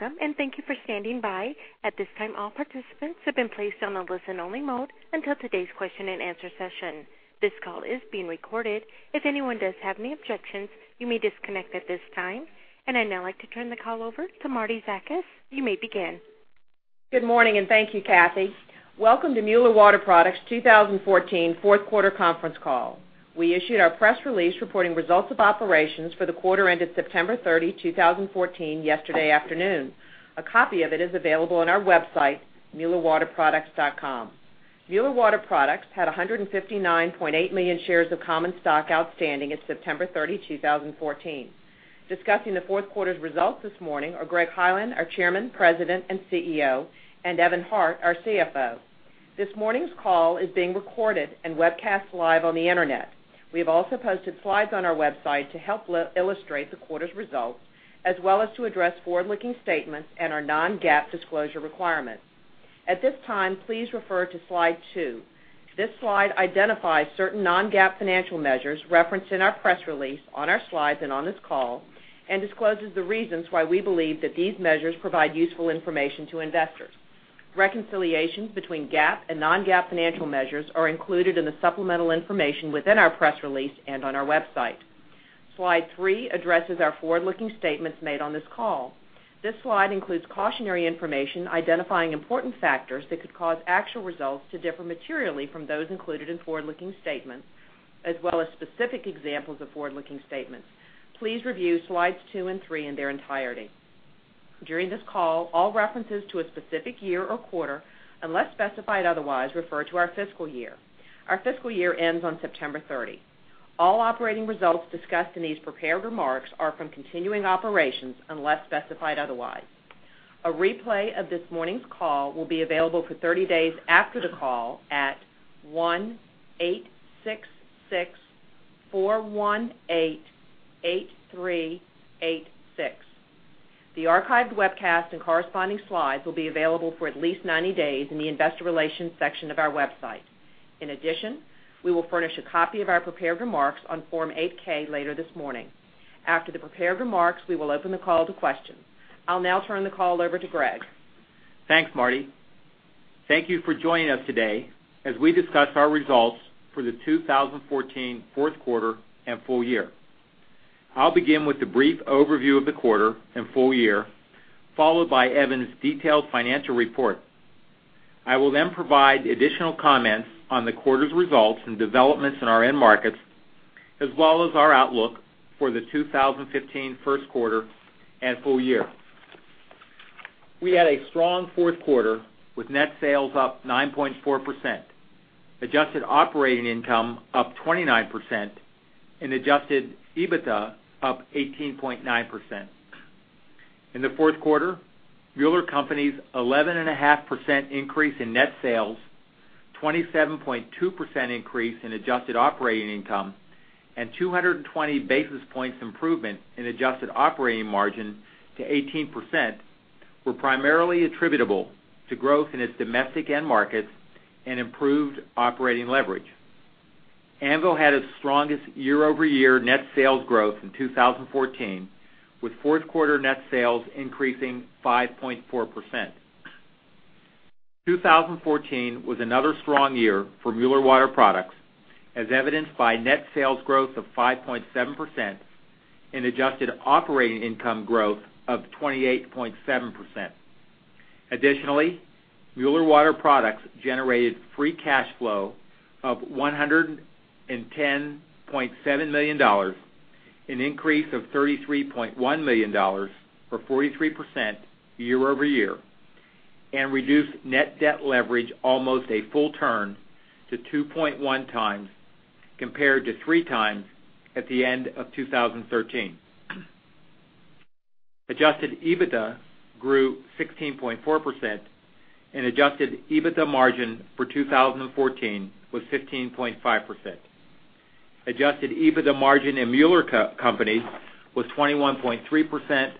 Welcome, thank you for standing by. At this time, all participants have been placed on a listen-only mode until today's question and answer session. This call is being recorded. If anyone does have any objections, you may disconnect at this time. I'd now like to turn the call over to Marti Zakas. You may begin. Good morning, thank you, Kathy. Welcome to Mueller Water Products' 2014 fourth quarter conference call. We issued our press release reporting results of operations for the quarter ended September 30, 2014, yesterday afternoon. A copy of it is available on our website, muellerwaterproducts.com. Mueller Water Products had 159.8 million shares of common stock outstanding at September 30, 2014. Discussing the fourth quarter's results this morning are Greg Hyland, our Chairman, President, and CEO, and Evan Hart, our CFO. This morning's call is being recorded and webcast live on the internet. We have also posted slides on our website to help illustrate the quarter's results, as well as to address forward-looking statements and our non-GAAP disclosure requirements. At this time, please refer to Slide two. This slide identifies certain non-GAAP financial measures referenced in our press release, on our slides, and on this call, discloses the reasons why we believe that these measures provide useful information to investors. Reconciliations between GAAP and non-GAAP financial measures are included in the supplemental information within our press release and on our website. Slide three addresses our forward-looking statements made on this call. This slide includes cautionary information identifying important factors that could cause actual results to differ materially from those included in forward-looking statements, as well as specific examples of forward-looking statements. Please review Slides two and three in their entirety. During this call, all references to a specific year or quarter, unless specified otherwise, refer to our fiscal year. Our fiscal year ends on September 30. All operating results discussed in these prepared remarks are from continuing operations, unless specified otherwise. A replay of this morning's call will be available for 30 days after the call at 1-866-418-8386. The archived webcast and corresponding slides will be available for at least 90 days in the investor relations section of our website. In addition, we will furnish a copy of our prepared remarks on Form 8-K later this morning. After the prepared remarks, we will open the call to questions. I'll now turn the call over to Greg. Thanks, Marti. Thank you for joining us today as we discuss our results for the 2014 fourth quarter and full year. I'll begin with a brief overview of the quarter and full year, followed by Evan's detailed financial report. I will then provide additional comments on the quarter's results and developments in our end markets, as well as our outlook for the 2015 first quarter and full year. We had a strong fourth quarter, with net sales up 9.4%, adjusted operating income up 29%, and adjusted EBITDA up 18.9%. In the fourth quarter, Mueller Co.'s 11.5% increase in net sales, 27.2% increase in adjusted operating income, and 220 basis points improvement in adjusted operating margin to 18% were primarily attributable to growth in its domestic end markets and improved operating leverage. Anvil had its strongest year-over-year net sales growth in 2014, with fourth quarter net sales increasing 5.4%. 2014 was another strong year for Mueller Water Products, as evidenced by net sales growth of 5.7% and adjusted operating income growth of 28.7%. Additionally, Mueller Water Products generated free cash flow of $110.7 million, an increase of $33.1 million, or 43%, year-over-year, and reduced net debt leverage almost a full turn to 2.1 times, compared to 3 times at the end of 2013. Adjusted EBITDA grew 16.4%, and adjusted EBITDA margin for 2014 was 15.5%. Adjusted EBITDA margin in Mueller Co. was 21.3%,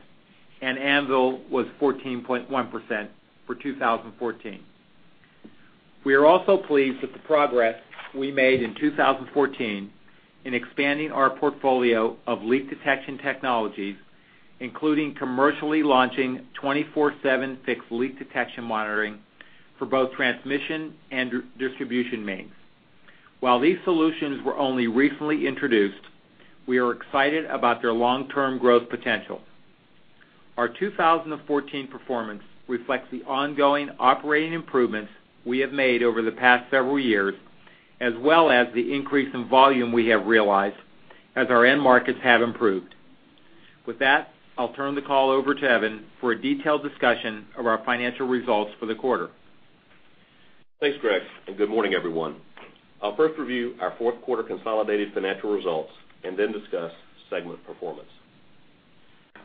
and Anvil was 14.1% for 2014. We are also pleased with the progress we made in 2014 in expanding our portfolio of leak detection technologies, including commercially launching 24/7 fixed leak detection monitoring for both transmission and distribution mains. While these solutions were only recently introduced, we are excited about their long-term growth potential. Our 2014 performance reflects the ongoing operating improvements we have made over the past several years, as well as the increase in volume we have realized as our end markets have improved. With that, I'll turn the call over to Evan for a detailed discussion of our financial results for the quarter. Thanks, Greg, and good morning, everyone. I'll first review our fourth quarter consolidated financial results and then discuss segment performance.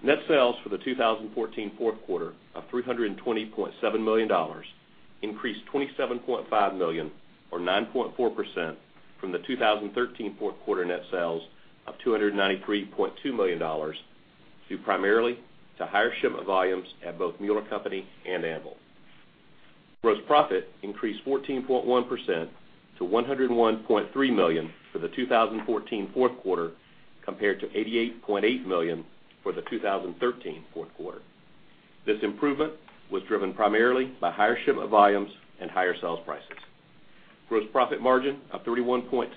Net sales for the 2014 fourth quarter of $320.7 million increased $27.5 million, or 9.4%, from the 2013 fourth quarter net sales of $293.2 million, due primarily to higher shipment volumes at both Mueller Co. and Anvil. Gross profit increased 14.1% to $101.3 million for the 2014 fourth quarter, compared to $88.8 million for the 2013 fourth quarter. This improvement was driven primarily by higher shipment volumes and higher sales prices. Gross profit margin of 31.6%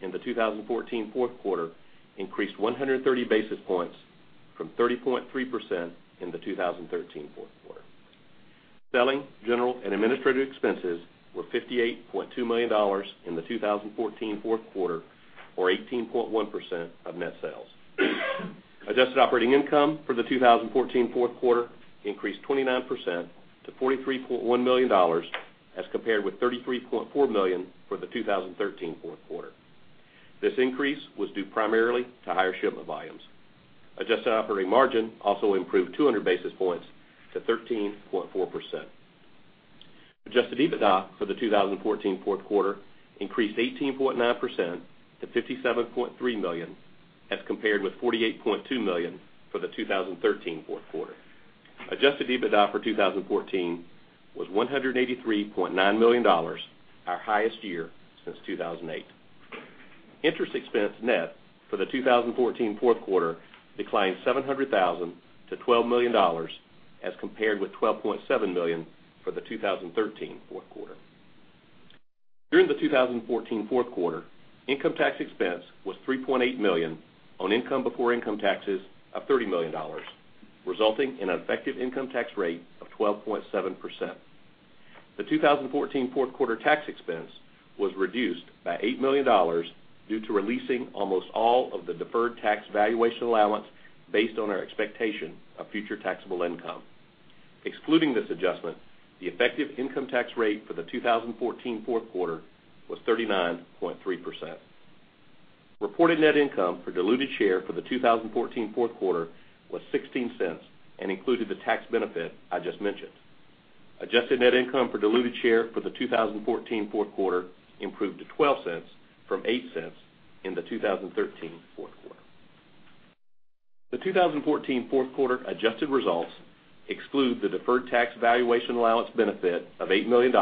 in the 2014 fourth quarter increased 130 basis points from 30.3% in the 2013 fourth quarter. Selling, general, and administrative expenses were $58.2 million in the 2014 fourth quarter, or 18.1% of net sales. Adjusted operating income for the 2014 fourth quarter increased 29% to $43.1 million, as compared with $33.4 million for the 2013 fourth quarter. This increase was due primarily to higher shipment volumes. Adjusted operating margin also improved 200 basis points to 13.4%. Adjusted EBITDA for the 2014 fourth quarter increased 18.9% to $57.3 million, as compared with $48.2 million for the 2013 fourth quarter. Adjusted EBITDA for 2014 was $183.9 million, our highest year since 2008. Interest expense net for the 2014 fourth quarter declined $700,000 to $12 million, as compared with $12.7 million for the 2013 fourth quarter. During the 2014 fourth quarter, income tax expense was $3.8 million on income before income taxes of $30 million, resulting in an effective income tax rate of 12.7%. The 2014 fourth quarter tax expense was reduced by $8 million due to releasing almost all of the deferred tax valuation allowance based on our expectation of future taxable income. Excluding this adjustment, the effective income tax rate for the 2014 fourth quarter was 39.3%. Reported net income per diluted share for the 2014 fourth quarter was $0.16 and included the tax benefit I just mentioned. Adjusted net income per diluted share for the 2014 fourth quarter improved to $0.12 from $0.08 in the 2013 fourth quarter. The 2014 fourth quarter adjusted results exclude the deferred tax valuation allowance benefit of $8 million,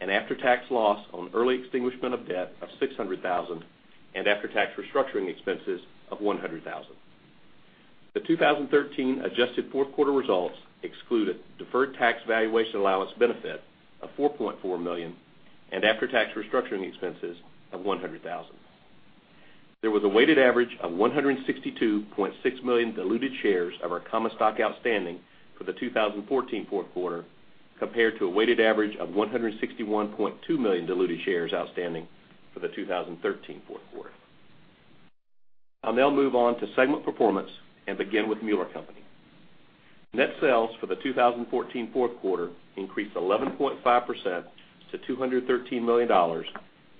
an after-tax loss on early extinguishment of debt of $600,000, and after-tax restructuring expenses of $100,000. The 2013 adjusted fourth quarter results excluded deferred tax valuation allowance benefit of $4.4 million and after-tax restructuring expenses of $100,000. There was a weighted average of 162.6 million diluted shares of our common stock outstanding for the 2014 fourth quarter, compared to a weighted average of 161.2 million diluted shares outstanding for the 2013 fourth quarter. I'll now move on to segment performance and begin with Mueller Co. Net sales for the 2014 fourth quarter increased 11.5% to $213 million,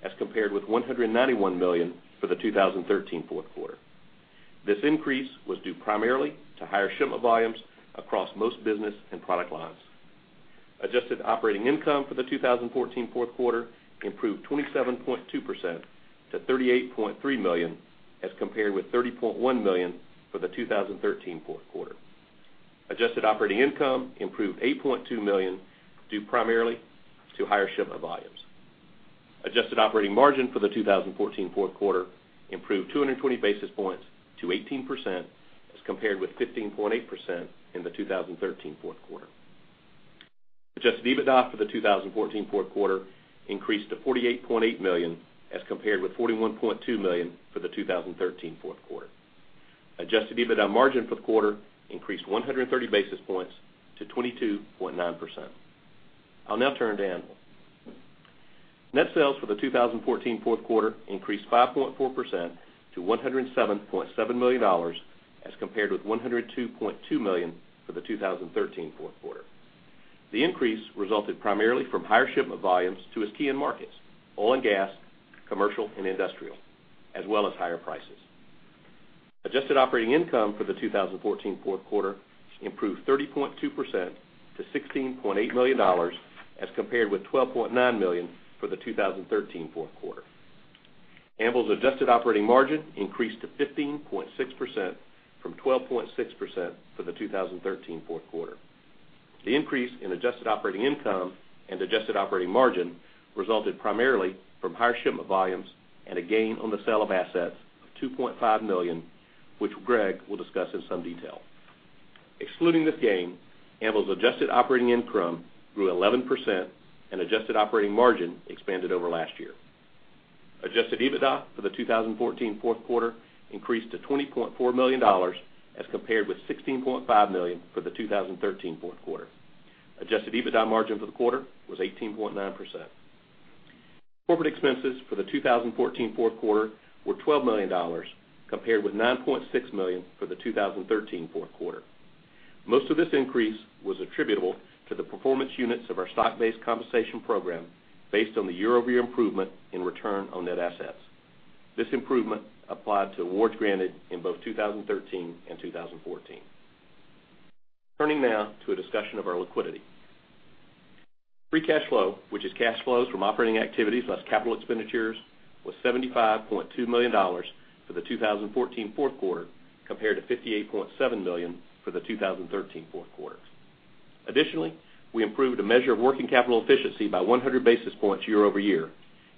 as compared with $191 million for the 2013 fourth quarter. This increase was due primarily to higher shipment volumes across most business and product lines. Adjusted operating income for the 2014 fourth quarter improved 27.2% to $38.3 million, as compared with $30.1 million for the 2013 fourth quarter. Adjusted operating income improved $8.2 million, due primarily to higher shipment volumes. Adjusted operating margin for the 2014 fourth quarter improved 220 basis points to 18%, as compared with 15.8% in the 2013 fourth quarter. Adjusted EBITDA for the 2014 fourth quarter increased to $48.8 million, as compared with $41.2 million for the 2013 fourth quarter. Adjusted EBITDA margin for the quarter increased 130 basis points to 22.9%. I'll now turn to Anvil. Net sales for the 2014 fourth quarter increased 5.4% to $107.7 million, as compared with $102.2 million for the 2013 fourth quarter. The increase resulted primarily from higher shipment volumes to its key end markets, oil and gas, commercial, and industrial, as well as higher prices. Adjusted operating income for the 2014 fourth quarter improved 30.2% to $16.8 million, as compared with $12.9 million for the 2013 fourth quarter. Anvil's adjusted operating margin increased to 15.6% from 12.6% for the 2013 fourth quarter. The increase in adjusted operating income and adjusted operating margin resulted primarily from higher shipment volumes and a gain on the sale of assets of $2.5 million, which Greg will discuss in some detail. Excluding this gain, Anvil's adjusted operating income grew 11%, and adjusted operating margin expanded over last year. Adjusted EBITDA for the 2014 fourth quarter increased to $20.4 million, as compared with $16.5 million for the 2013 fourth quarter. Adjusted EBITDA margin for the quarter was 18.9%. Corporate expenses for the 2014 fourth quarter were $12 million, compared with $9.6 million for the 2013 fourth quarter. Most of this increase was attributable to the performance units of our stock-based compensation program based on the year-over-year improvement in return on net assets. This improvement applied to awards granted in both 2013 and 2014. Turning now to a discussion of our liquidity. Free cash flow, which is cash flows from operating activities less capital expenditures, was $75.2 million for the 2014 fourth quarter, compared to $58.7 million for the 2013 fourth quarter. Additionally, we improved a measure of working capital efficiency by 100 basis points year-over-year,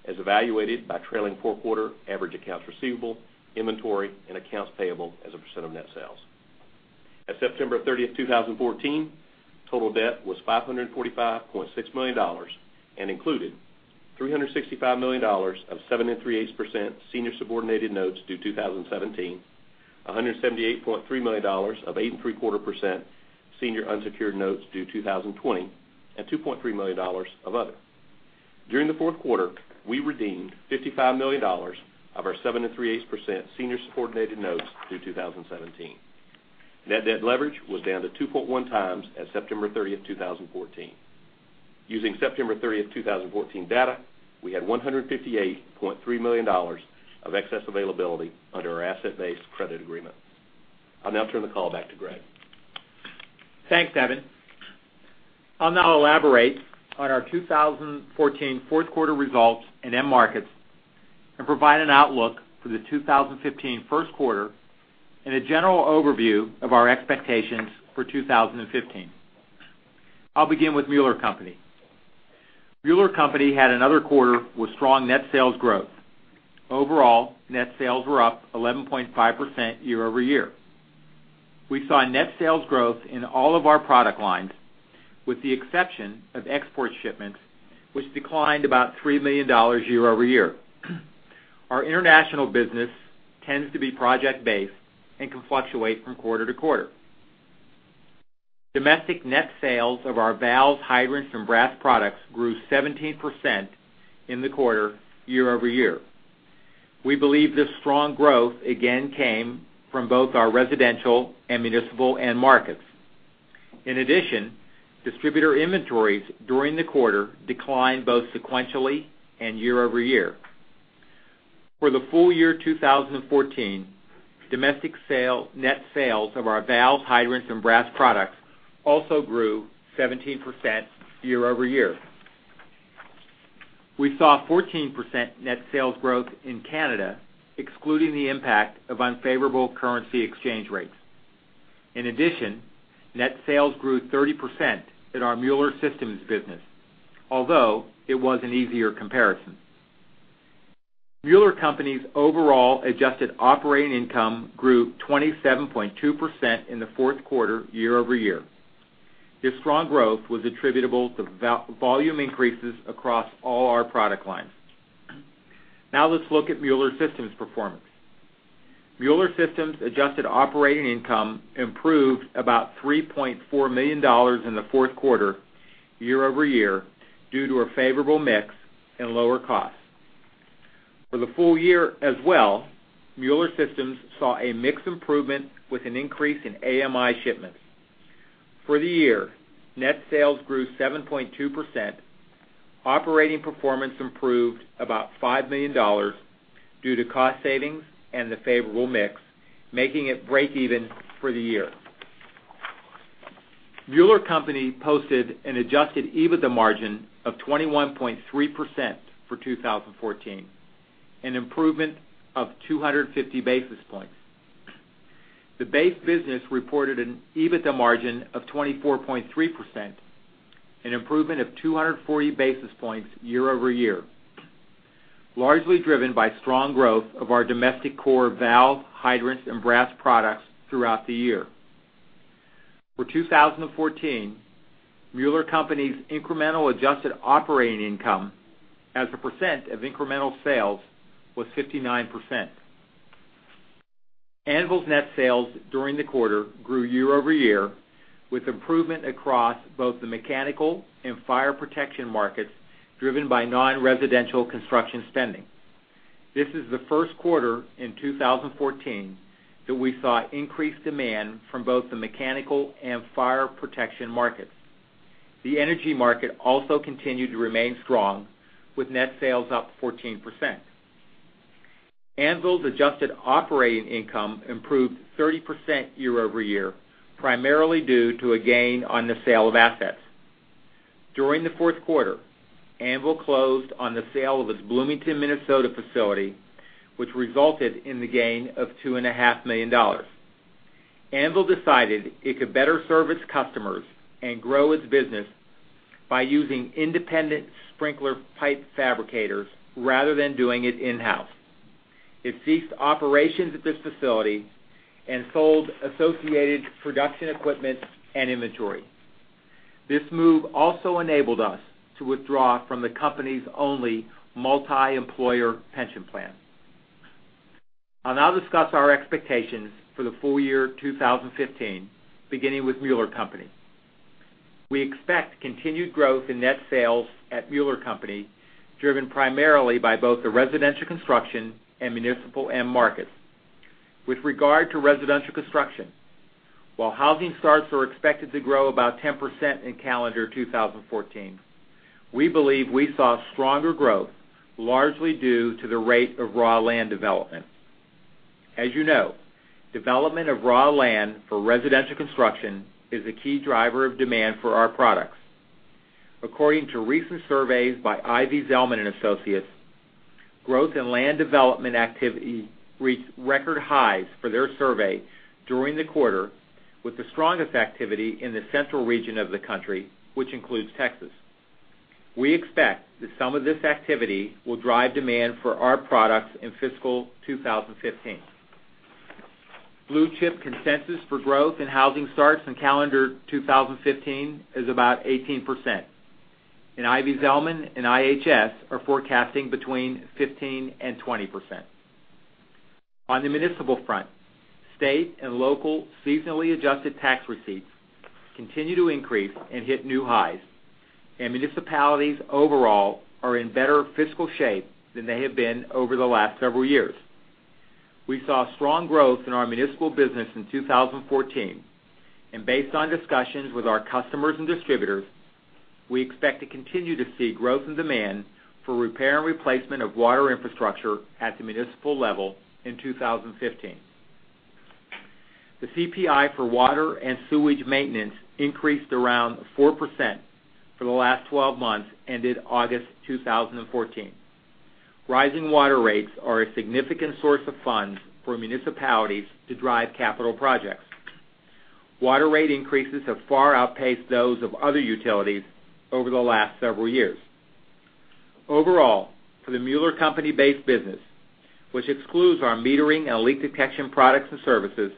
as evaluated by trailing four-quarter average accounts receivable, inventory, and accounts payable as a % of net sales. At September 30th, 2014, total debt was $545.6 million and included $365 million of 7.375% senior subordinated notes due 2017, $178.3 million of 8.75% senior unsecured notes due 2020, and $2.3 million of other. During the fourth quarter, we redeemed $55 million of our 7.375% senior subordinated notes due 2017. Net debt leverage was down to 2.1x as of September 30th, 2014. Using September 30th, 2014 data, we had $158.3 million of excess availability under our asset-based credit agreement. I'll now turn the call back to Greg. Thanks, Evan. I'll now elaborate on our 2014 fourth quarter results in end markets and provide an outlook for the 2015 first quarter and a general overview of our expectations for 2015. I'll begin with Mueller Company. Mueller Company had another quarter with strong net sales growth. Overall, net sales were up 11.5% year-over-year. We saw net sales growth in all of our product lines, with the exception of export shipments, which declined about $3 million year-over-year. Our international business tends to be project-based and can fluctuate from quarter to quarter. Domestic net sales of our valves, hydrants, and brass products grew 17% in the quarter year-over-year. We believe this strong growth again came from both our residential and municipal end markets. In addition, distributor inventories during the quarter declined both sequentially and year-over-year. For the full year 2014, domestic net sales of our valves, hydrants, and brass products also grew 17% year-over-year. We saw 14% net sales growth in Canada, excluding the impact of unfavorable currency exchange rates. In addition, net sales grew 30% in our Mueller Systems business, although it was an easier comparison. Mueller Company's overall adjusted operating income grew 27.2% in the fourth quarter year-over-year. This strong growth was attributable to volume increases across all our product lines. Now let's look at Mueller Systems' performance. Mueller Systems adjusted operating income improved about $3.4 million in the fourth quarter year-over-year due to a favorable mix and lower costs. For the full year as well, Mueller Systems saw a mix improvement with an increase in AMI shipments. For the year, net sales grew 7.2%. Operating performance improved about $5 million due to cost savings and the favorable mix, making it breakeven for the year. Mueller Company posted an adjusted EBITDA margin of 21.3% for 2014, an improvement of 250 basis points. The base business reported an EBITDA margin of 24.3%, an improvement of 240 basis points year-over-year, largely driven by strong growth of our domestic core valve, hydrants, and brass products throughout the year. For 2014, Mueller Company's incremental adjusted operating income as a percent of incremental sales was 59%. Anvil's net sales during the quarter grew year-over-year, with improvement across both the mechanical and fire protection markets, driven by non-residential construction spending. This is the first quarter in 2014 that we saw increased demand from both the mechanical and fire protection markets. The energy market also continued to remain strong, with net sales up 14%. Anvil's adjusted operating income improved 30% year-over-year, primarily due to a gain on the sale of assets. During the fourth quarter, Anvil closed on the sale of its Bloomington, Minnesota facility, which resulted in the gain of $2.5 million. Anvil decided it could better serve its customers and grow its business by using independent sprinkler pipe fabricators rather than doing it in-house. It ceased operations at this facility and sold associated production equipment and inventory. This move also enabled us to withdraw from the company's only multi-employer pension plan. I'll now discuss our expectations for the full year 2015, beginning with Mueller Company. We expect continued growth in net sales at Mueller Company, driven primarily by both the residential construction and municipal end markets. With regard to residential construction, while housing starts are expected to grow about 10% in calendar 2014, we believe we saw stronger growth, largely due to the rate of raw land development. As you know, development of raw land for residential construction is a key driver of demand for our products. According to recent surveys by Ivy Zelman & Associates, growth in land development activity reached record highs for their survey during the quarter, with the strongest activity in the central region of the country, which includes Texas. We expect that some of this activity will drive demand for our products in fiscal 2015. Blue-chip consensus for growth in housing starts in calendar 2015 is about 18%, and Ivy Zelman and IHS are forecasting between 15% and 20%. On the municipal front, state and local seasonally adjusted tax receipts continue to increase and hit new highs, and municipalities overall are in better fiscal shape than they have been over the last several years. We saw strong growth in our municipal business in 2014, and based on discussions with our customers and distributors, we expect to continue to see growth in demand for repair and replacement of water infrastructure at the municipal level in 2015. The CPI for water and sewage maintenance increased around 4% for the last 12 months ended August 2014. Rising water rates are a significant source of funds for municipalities to drive capital projects. Water rate increases have far outpaced those of other utilities over the last several years. Overall, for the Mueller Co. base business, which excludes our metering and leak detection products and services,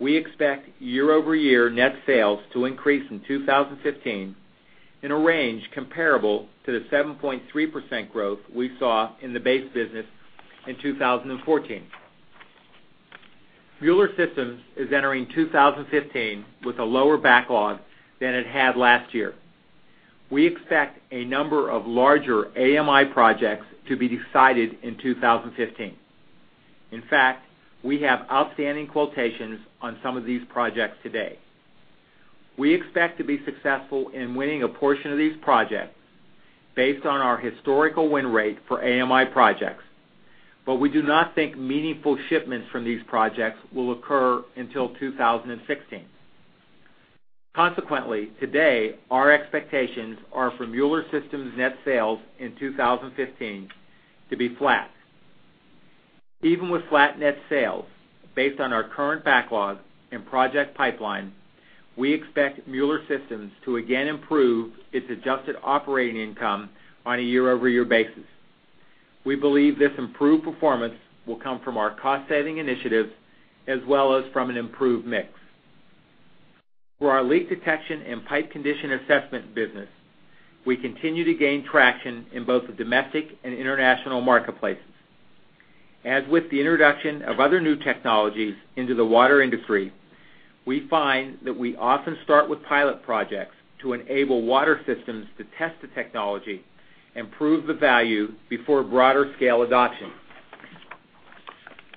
we expect year-over-year net sales to increase in 2015 in a range comparable to the 7.3% growth we saw in the base business in 2014. Mueller Systems is entering 2015 with a lower backlog than it had last year. We expect a number of larger AMI projects to be decided in 2015. In fact, we have outstanding quotations on some of these projects today. We expect to be successful in winning a portion of these projects based on our historical win rate for AMI projects, but we do not think meaningful shipments from these projects will occur until 2016. Consequently, today, our expectations are for Mueller Systems' net sales in 2015 to be flat. Even with flat net sales, based on our current backlog and project pipeline, we expect Mueller Systems to again improve its adjusted operating income on a year-over-year basis. We believe this improved performance will come from our cost-saving initiatives as well as from an improved mix. For our leak detection and pipe condition assessment business, we continue to gain traction in both the domestic and international marketplaces. As with the introduction of other new technologies into the water industry, we find that we often start with pilot projects to enable water systems to test the technology and prove the value before broader scale adoption.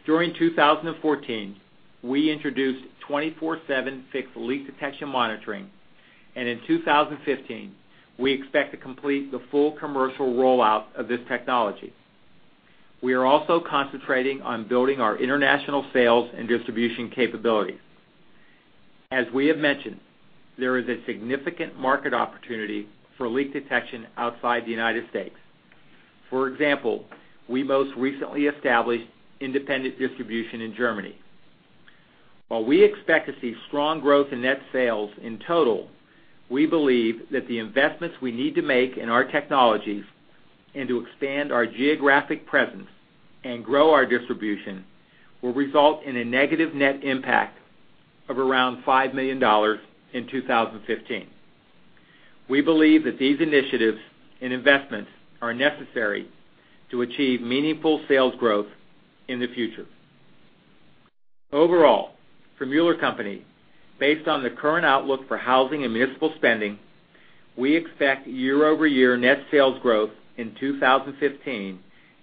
During 2014, we introduced 24/7 fixed leak detection monitoring, and in 2015, we expect to complete the full commercial rollout of this technology. We are also concentrating on building our international sales and distribution capabilities. As we have mentioned, there is a significant market opportunity for leak detection outside the United States. For example, we most recently established independent distribution in Germany. While we expect to see strong growth in net sales in total, we believe that the investments we need to make in our technologies and to expand our geographic presence and grow our distribution will result in a negative net impact of around $5 million in 2015. We believe that these initiatives and investments are necessary to achieve meaningful sales growth in the future. Overall, for Mueller Co., based on the current outlook for housing and municipal spending, we expect year-over-year net sales growth in 2015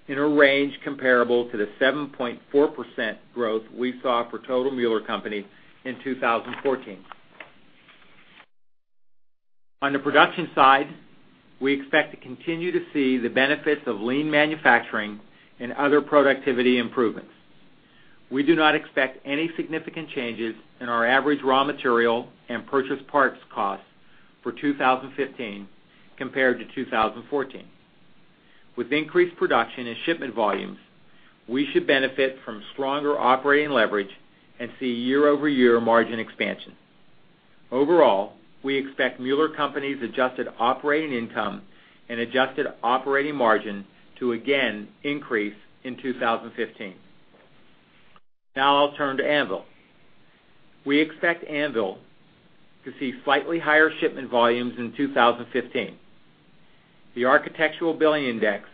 in a range comparable to the 7.4% growth we saw for total Mueller Co. in 2014. On the production side, we expect to continue to see the benefits of lean manufacturing and other productivity improvements. We do not expect any significant changes in our average raw material and purchased parts costs for 2015 compared to 2014. With increased production and shipment volumes, we should benefit from stronger operating leverage and see year-over-year margin expansion. Overall, we expect Mueller Co.'s adjusted operating income and adjusted operating margin to again increase in 2015. Now I'll turn to Anvil. We expect Anvil to see slightly higher shipment volumes in 2015. The Architecture Billings Index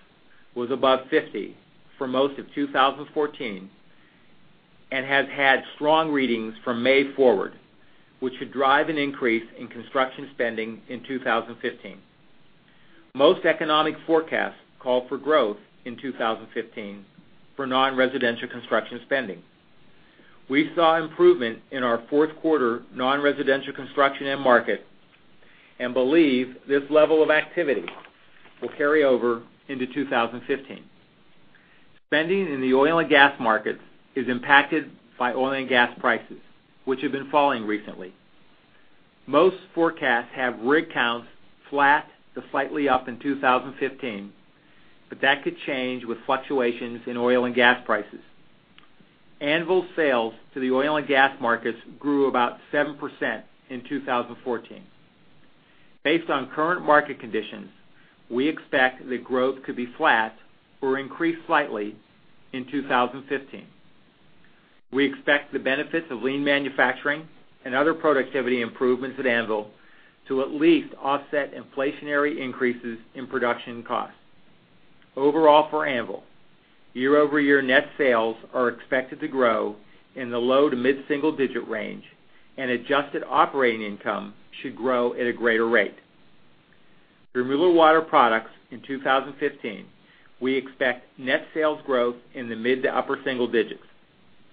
was above 50 for most of 2014 and has had strong readings from May forward, which should drive an increase in construction spending in 2015. Most economic forecasts call for growth in 2015 for non-residential construction spending. We saw improvement in our fourth quarter non-residential construction end market and believe this level of activity will carry over into 2015. Spending in the oil and gas markets is impacted by oil and gas prices, which have been falling recently. Most forecasts have rig counts flat to slightly up in 2015, but that could change with fluctuations in oil and gas prices. Anvil sales to the oil and gas markets grew about 7% in 2014. Based on current market conditions, we expect that growth could be flat or increase slightly in 2015. We expect the benefits of lean manufacturing and other productivity improvements at Anvil to at least offset inflationary increases in production costs. Overall for Anvil, year-over-year net sales are expected to grow in the low to mid-single-digit range, and adjusted operating income should grow at a greater rate. For Mueller Water Products in 2015, we expect net sales growth in the mid to upper single-digits.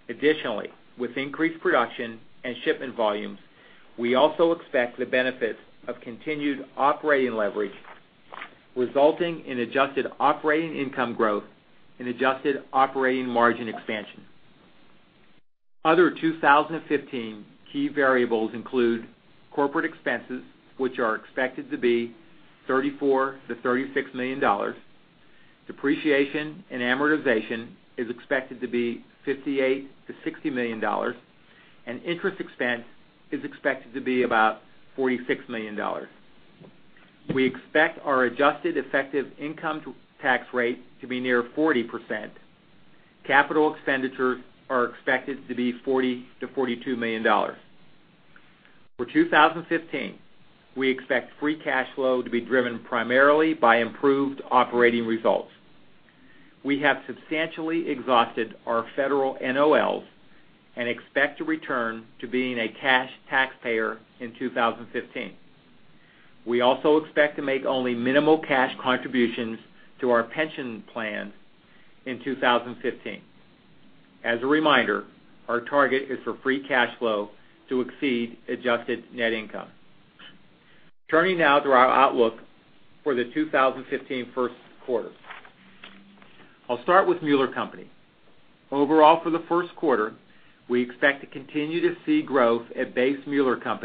Additionally, with increased production and shipment volumes, we also expect the benefits of continued operating leverage, resulting in adjusted operating income growth and adjusted operating margin expansion. Other 2015 key variables include corporate expenses, which are expected to be $34 million-$36 million. Depreciation and amortization is expected to be $58 million-$60 million, and interest expense is expected to be about $46 million. We expect our adjusted effective income tax rate to be near 40%. Capital expenditures are expected to be $40 million-$42 million. For 2015, we expect free cash flow to be driven primarily by improved operating results. We have substantially exhausted our federal NOLs and expect to return to being a cash taxpayer in 2015. We also expect to make only minimal cash contributions to our pension plan in 2015. As a reminder, our target is for free cash flow to exceed adjusted net income. Turning now to our outlook for the 2015 first quarter. I'll start with Mueller Co. Overall, for the first quarter, we expect to continue to see growth at base Mueller Co.,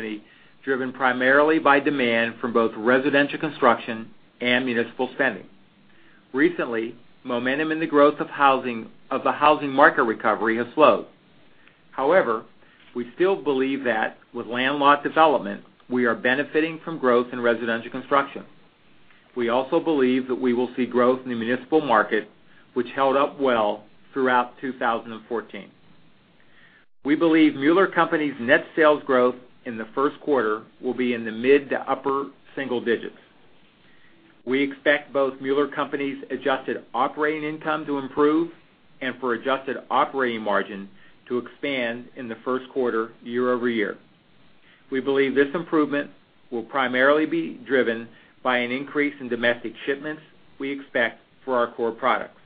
driven primarily by demand from both residential construction and municipal spending. Recently, momentum in the growth of the housing market recovery has slowed. However, we still believe that with land lot development, we are benefiting from growth in residential construction. We also believe that we will see growth in the municipal market, which held up well throughout 2014. We believe Mueller Co.'s net sales growth in the first quarter will be in the mid to upper single-digits. We expect both Mueller Co.'s adjusted operating income to improve and for adjusted operating margin to expand in the first quarter year-over-year. We believe this improvement will primarily be driven by an increase in domestic shipments we expect for our core products.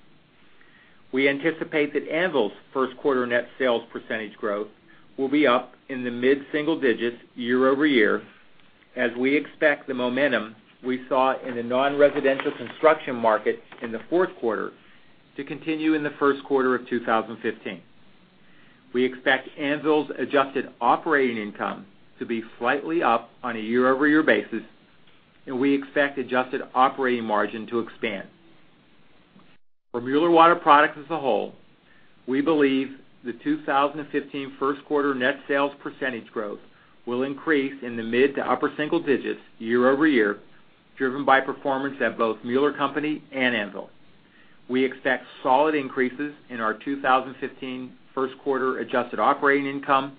We anticipate that Anvil's first quarter net sales percentage growth will be up in the mid-single digits year-over-year, as we expect the momentum we saw in the non-residential construction market in the fourth quarter to continue in the first quarter of 2015. We expect Anvil's adjusted operating income to be slightly up on a year-over-year basis, and we expect adjusted operating margin to expand. For Mueller Water Products as a whole, we believe the 2015 first quarter net sales percentage growth will increase in the mid to upper single digits year-over-year, driven by performance at both Mueller Co. and Anvil. We expect solid increases in our 2015 first quarter adjusted operating income,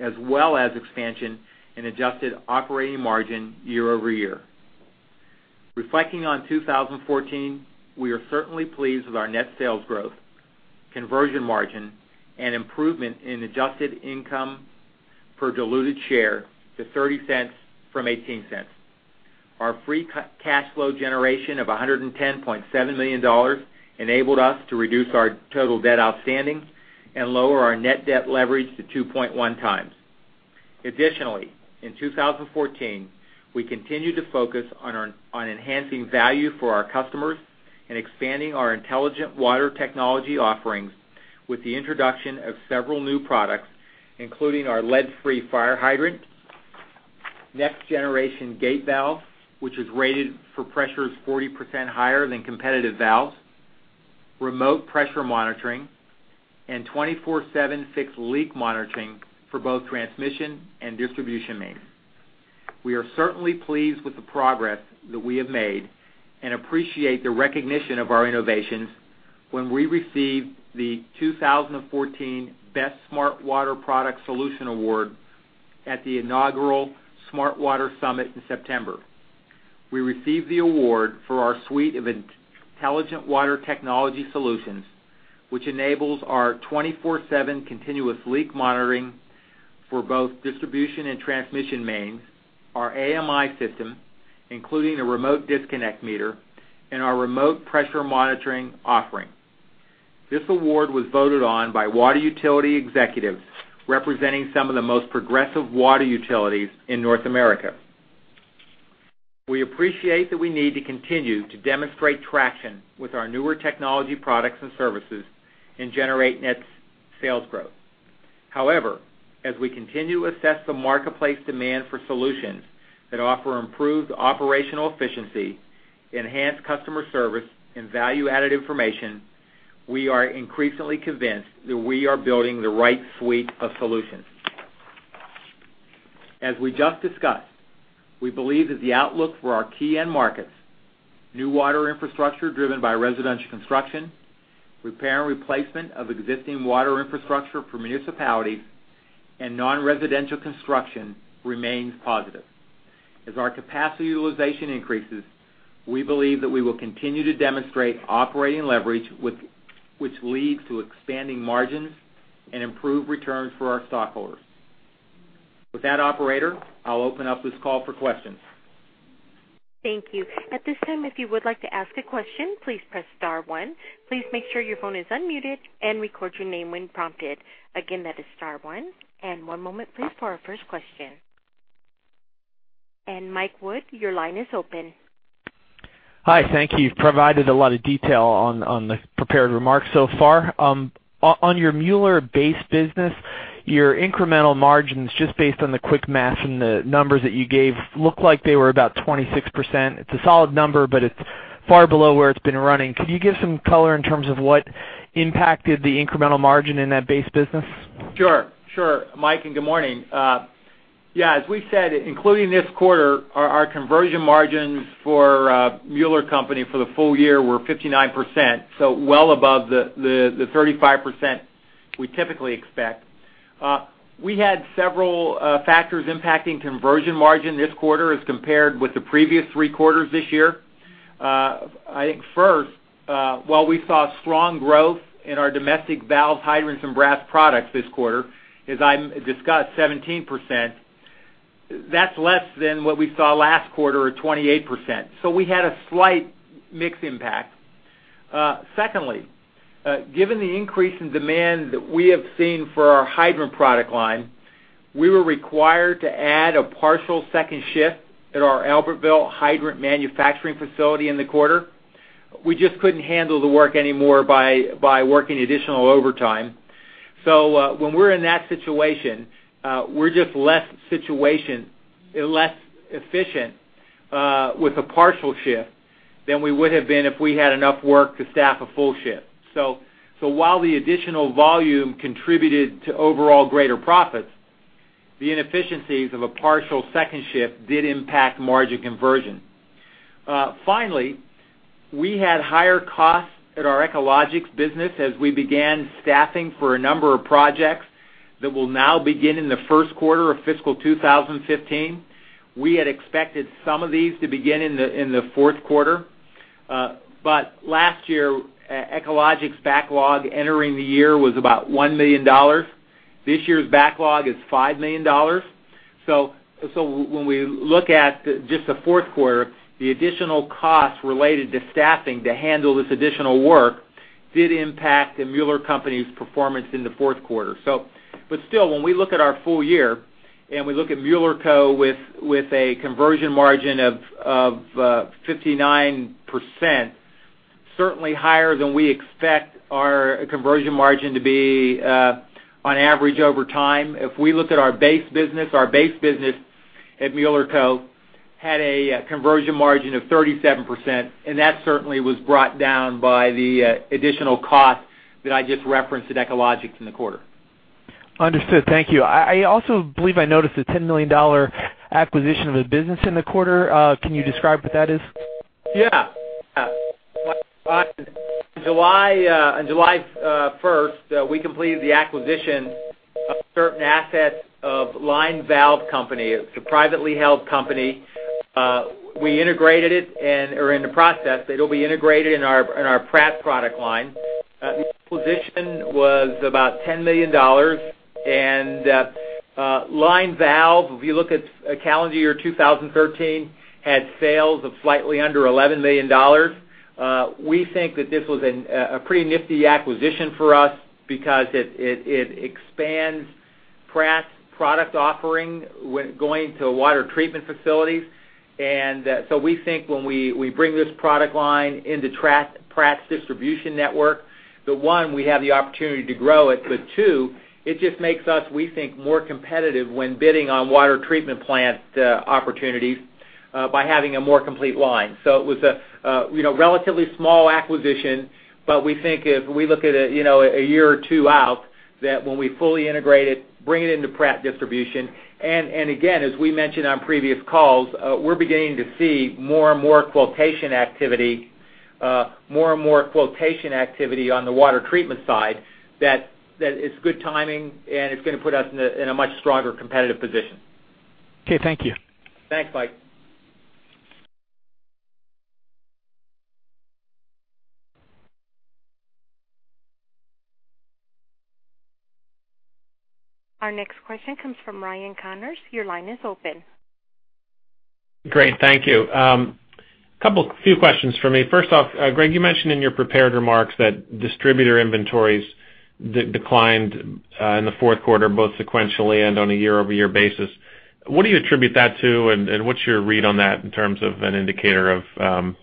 as well as expansion in adjusted operating margin year-over-year. Reflecting on 2014, we are certainly pleased with our net sales growth, conversion margin, and improvement in adjusted income per diluted share to $0.30 from $0.18. Our free cash flow generation of $110.7 million enabled us to reduce our total debt outstanding and lower our net debt leverage to 2.1 times. Additionally, in 2014, we continued to focus on enhancing value for our customers and expanding our intelligent water technology offerings with the introduction of several new products, including our lead-free fire hydrant, next-generation gate valve, which is rated for pressures 40% higher than competitive valves, Remote Pressure Monitoring, and 24/7 fixed leak detection for both transmission and distribution mains. We are certainly pleased with the progress that we have made and appreciate the recognition of our innovations when we received the Best Smart Water Product Solution award at the inaugural Smart Water Summit in September. We received the award for our suite of intelligent water technology solutions, which enables our 24/7 fixed leak detection for both distribution and transmission mains, our AMI system, including a remote disconnect meter, and our Remote Pressure Monitoring offering. This award was voted on by water utility executives representing some of the most progressive water utilities in North America. We appreciate that we need to continue to demonstrate traction with our newer technology products and services and generate net sales growth. As we continue to assess the marketplace demand for solutions that offer improved operational efficiency, enhanced customer service, and value-added information, we are increasingly convinced that we are building the right suite of solutions. As we just discussed, we believe that the outlook for our key end markets, new water infrastructure driven by residential construction, repair and replacement of existing water infrastructure for municipalities, and non-residential construction, remains positive. As our capacity utilization increases, we believe that we will continue to demonstrate operating leverage, which leads to expanding margins and improved returns for our stockholders. With that, Operator, I'll open up this call for questions. Thank you. At this time, if you would like to ask a question, please press star one. Please make sure your phone is unmuted, and record your name when prompted. Again, that is star one. One moment, please, for our first question. Michael Wood, your line is open. Hi, thank you. You've provided a lot of detail on the prepared remarks so far. On your Mueller base business, your incremental margins, just based on the quick math and the numbers that you gave, look like they were about 26%. It's a solid number, but it's far below where it's been running. Could you give some color in terms of what impacted the incremental margin in that base business? Sure. Mike, good morning. Yeah, as we said, including this quarter, our conversion margins for Mueller Company for the full year were 59%, so well above the 35% we typically expect. We had several factors impacting conversion margin this quarter as compared with the previous three quarters this year. I think first, while we saw strong growth in our domestic valves, hydrants, and brass products this quarter, as I discussed, 17%, that's less than what we saw last quarter at 28%. We had a slight mix impact. Secondly, given the increase in demand that we have seen for our hydrant product line, we were required to add a partial second shift at our Albertville hydrant manufacturing facility in the quarter. We just couldn't handle the work anymore by working additional overtime. When we're in that situation, we're just less efficient with a partial shift than we would have been if we had enough work to staff a full shift. While the additional volume contributed to overall greater profits, the inefficiencies of a partial second shift did impact margin conversion. Finally, we had higher costs at our Echologics business as we began staffing for a number of projects that will now begin in the first quarter of fiscal 2015. We had expected some of these to begin in the fourth quarter. Last year, Echologics backlog entering the year was about $1 million. This year's backlog is $5 million. When we look at just the fourth quarter, the additional costs related to staffing to handle this additional work did impact the Mueller Company's performance in the fourth quarter. Still, when we look at our full year, and we look at Mueller Co. with a conversion margin of 59%, certainly higher than we expect our conversion margin to be on average over time. If we looked at our base business, our base business at Mueller Co. had a conversion margin of 37%, and that certainly was brought down by the additional costs that I just referenced at Echologics in the quarter. Understood. Thank you. I also believe I noticed a $10 million acquisition of a business in the quarter. Can you describe what that is? On July 1st, we completed the acquisition of certain assets of Line Valve Company. It's a privately held company. We integrated it, or are in the process. It'll be integrated in our Pratt product line. The acquisition was about $10 million, and Line Valve, if you look at calendar year 2013, had sales of slightly under $11 million. We think that this was a pretty nifty acquisition for us because it expands Pratt's product offering going to water treatment facilities. We think when we bring this product line into Pratt's distribution network, that one, we have the opportunity to grow it, but two, it just makes us, we think, more competitive when bidding on water treatment plant opportunities by having a more complete line. It was a relatively small acquisition, but we think if we look at a year or two out, that when we fully integrate it, bring it into Pratt distribution, and again, as we mentioned on previous calls, we're beginning to see more and more quotation activity on the water treatment side, that it's good timing and it's going to put us in a much stronger competitive position. Okay, thank you. Thanks, Mike. Our next question comes from Ryan Connors. Your line is open. Great. Thank you. Couple few questions for me. First off, Greg, you mentioned in your prepared remarks that distributor inventories declined in the fourth quarter, both sequentially and on a year-over-year basis. What do you attribute that to, and what's your read on that in terms of an indicator of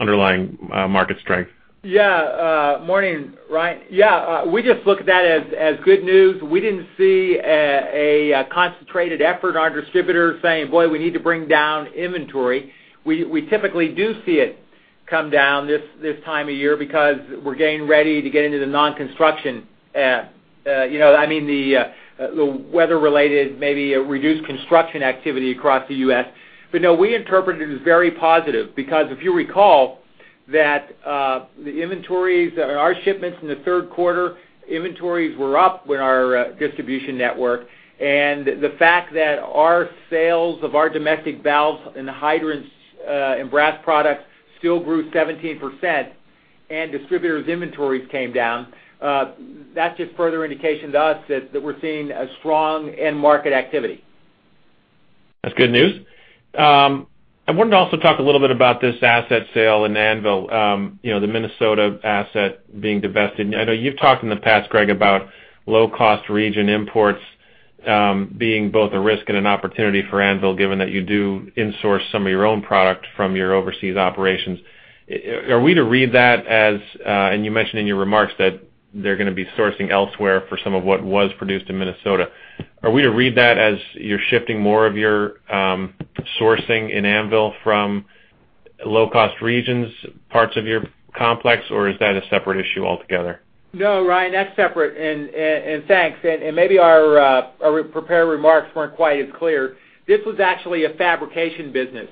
underlying market strength? Morning, Ryan. We just look at that as good news. We didn't see a concentrated effort on our distributors saying, "Boy, we need to bring down inventory." We typically do see it come down this time of year because we're getting ready to get into the non-construction, I mean, the weather-related, maybe a reduced construction activity across the U.S. No, we interpret it as very positive because if you recall that our shipments in the third quarter, inventories were up with our distribution network. The fact that our sales of our domestic valves and the hydrants, and brass products still grew 17% and distributors' inventories came down, that's just further indication to us that we're seeing a strong end market activity. That's good news. I wanted to also talk a little bit about this asset sale in Anvil, the Minnesota asset being divested. I know you've talked in the past, Greg, about low-cost region imports, being both a risk and an opportunity for Anvil, given that you do in-source some of your own product from your overseas operations. Are we to read that as you mentioned in your remarks that they're going to be sourcing elsewhere for some of what was produced in Minnesota. Are we to read that as you're shifting more of your sourcing in Anvil from low-cost regions, parts of your complex, or is that a separate issue altogether? No, Ryan, that's separate, and thanks. Maybe our prepared remarks weren't quite as clear. This was actually a fabrication business.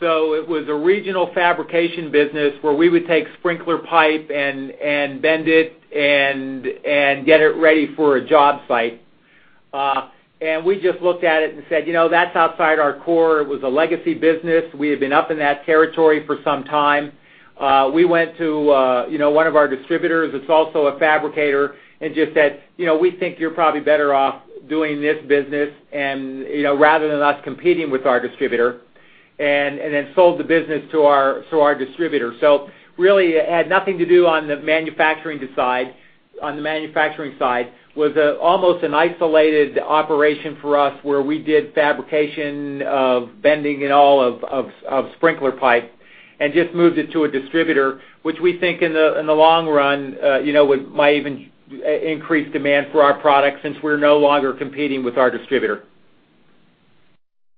It was a regional fabrication business where we would take sprinkler pipe and bend it and get it ready for a job site. We just looked at it and said, "That's outside our core." It was a legacy business. We had been up in that territory for some time. We went to one of our distributors, it's also a fabricator, just said, "We think you're probably better off doing this business," rather than us competing with our distributor, then sold the business to our distributor. Really, it had nothing to do on the manufacturing side. It was almost an isolated operation for us, where we did fabrication of bending and all of sprinkler pipe just moved it to a distributor, which we think in the long run, might even increase demand for our product since we're no longer competing with our distributor.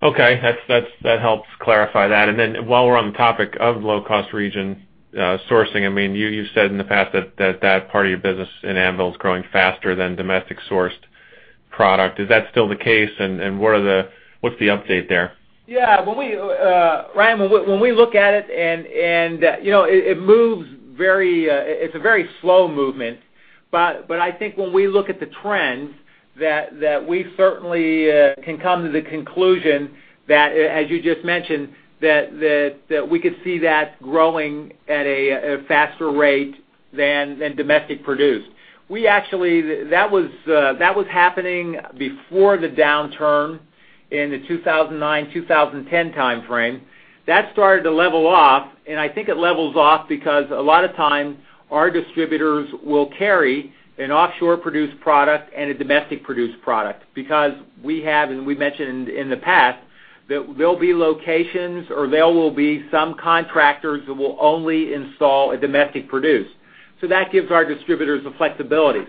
That helps clarify that. While we're on the topic of low-cost region sourcing, you said in the past that that part of your business in Anvil is growing faster than domestic-sourced product. Is that still the case, and what's the update there? Yeah. Ryan, when we look at it's a very slow movement, but I think when we look at the trends, that we certainly can come to the conclusion that, as you just mentioned, that we could see that growing at a faster rate than domestic-produced. That was happening before the downturn in the 2009-2010 timeframe. That started to level off. I think it levels off because a lot of time our distributors will carry an offshore-produced product and a domestic-produced product because we have, and we mentioned in the past, that there'll be locations or there will be some contractors that will only install a domestic-produced. That gives our distributors the flexibility.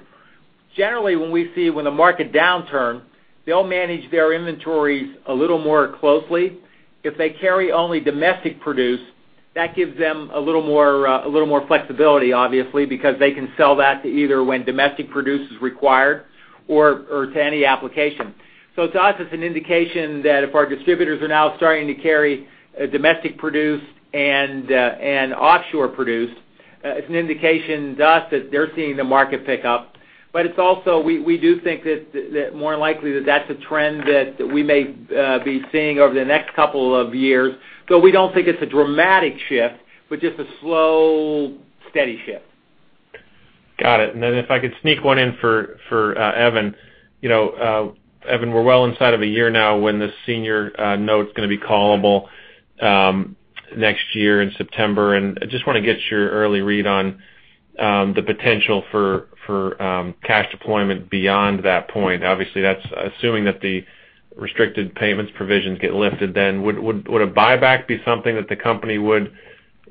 Generally, when we see when the market downturn, they'll manage their inventories a little more closely. If they carry only domestic-produced, that gives them a little more flexibility, obviously, because they can sell that to either when domestic-produced is required or to any application. To us, it's an indication that if our distributors are now starting to carry domestic-produced and offshore-produced, it's an indication to us that they're seeing the market pick up. It's also, we do think that more than likely that that's a trend that we may be seeing over the next couple of years. We don't think it's a dramatic shift, but just a slow, steady shift. Got it. If I could sneak one in for Evan. Evan, we're well inside of a year now when the senior note's going to be callable, next year in September. I just want to get your early read on the potential for cash deployment beyond that point. Obviously, that's assuming that the restricted payments provisions get lifted, then would a buyback be something that the company would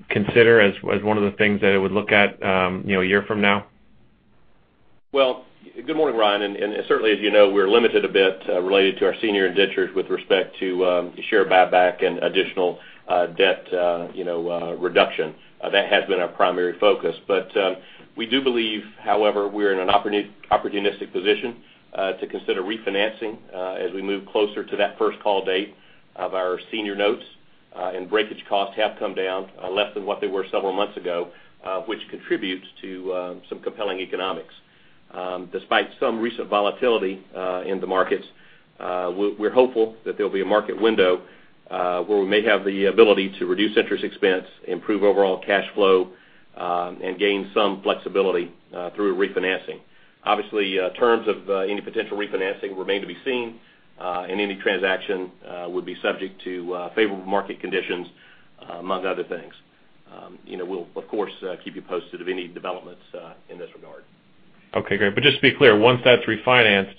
consider as one of the things that it would look at a year from now? Well, good morning, Ryan. Certainly as you know, we're limited a bit, related to our senior indentures with respect to share buyback and additional debt reduction. That has been our primary focus. We do believe, however, we are in an opportunistic position to consider refinancing as we move closer to that first call date of our senior notes, and breakage costs have come down less than what they were several months ago, which contributes to some compelling economics. Despite some recent volatility in the markets, we're hopeful that there'll be a market window, where we may have the ability to reduce interest expense, improve overall cash flow and gain some flexibility through refinancing. Obviously, terms of any potential refinancing remain to be seen, and any transaction would be subject to favorable market conditions, amongst other things. We'll, of course, keep you posted of any developments in this regard. Okay, great. Just to be clear, once that's refinanced,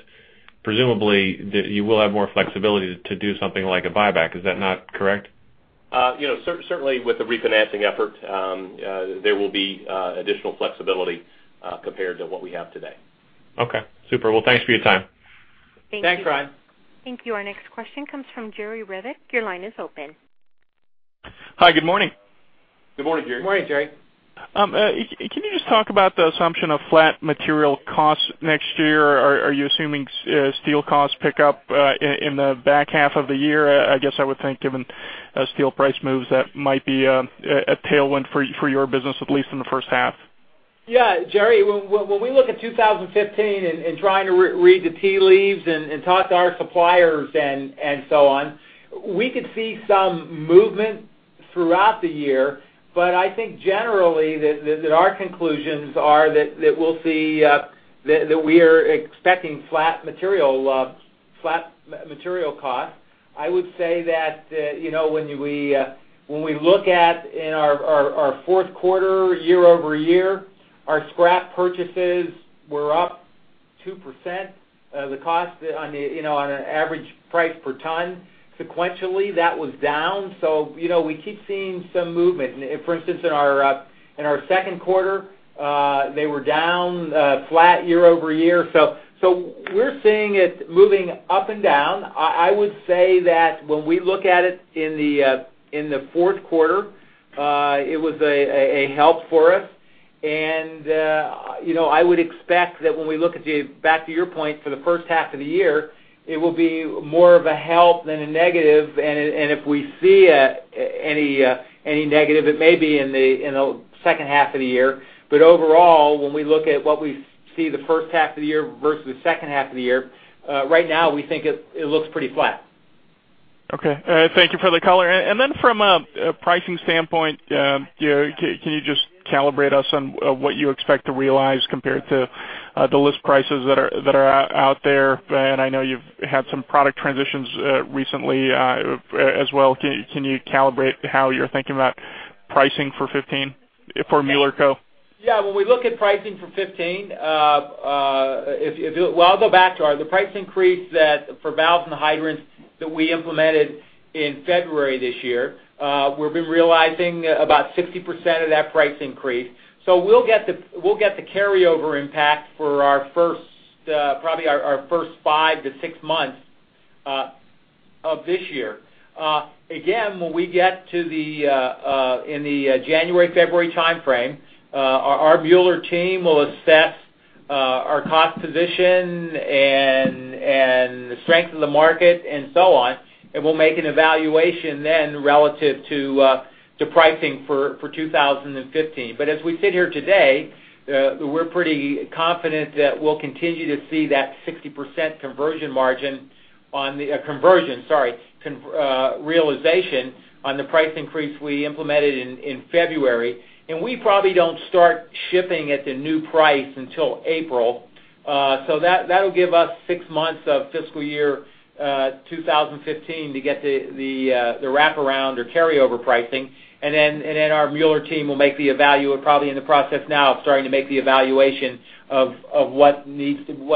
presumably you will have more flexibility to do something like a buyback. Is that not correct? Certainly with the refinancing effort, there will be additional flexibility compared to what we have today. Okay, super. Well, thanks for your time. Thanks, Ryan. Thank you. Our next question comes from Jerry Revich. Your line is open. Hi, good morning. Good morning, Jerry. Good morning, Jerry. Can you just talk about the assumption of flat material costs next year? Are you assuming steel costs pick up in the back half of the year? I guess I would think given steel price moves, that might be a tailwind for your business, at least in the first half. Yeah. Jerry, when we look at 2015 and trying to read the tea leaves and talk to our suppliers and so on, we could see some movement throughout the year. I think generally that our conclusions are that we are expecting flat material costs. I would say that when we look at our fourth quarter year-over-year, our scrap purchases were up 2%. The cost on an average price per ton sequentially, that was down. We keep seeing some movement. For instance, in our second quarter, they were down flat year-over-year. We are seeing it moving up and down. I would say that when we look at it in the fourth quarter, it was a help for us. I would expect that when we look at the, back to your point, for the first half of the year, it will be more of a help than a negative. If we see any negative, it may be in the second half of the year. Overall, when we look at what we see the first half of the year versus the second half of the year, right now, we think it looks pretty flat. Okay. Thank you for the color. From a pricing standpoint, can you just calibrate us on what you expect to realize compared to the list prices that are out there? I know you've had some product transitions recently as well. Can you calibrate how you're thinking about pricing for 2015 for Mueller Co? Yeah. When we look at pricing for 2015, I'll go back to the price increase for valves and hydrants that we implemented in February this year. We've been realizing about 60% of that price increase. We'll get the carryover impact for probably our first five to six months of this year. Again, when we get in the January-February timeframe, our Mueller team will assess our cost position and the strength of the market and so on, and we'll make an evaluation then relative to pricing for 2015. As we sit here today, we're pretty confident that we'll continue to see that 60% conversion margin on the realization on the price increase we implemented in February. We probably don't start shipping at the new price until April. That'll give us six months of fiscal year 2015 to get the wraparound or carryover pricing. Our Mueller team will make the evaluation of what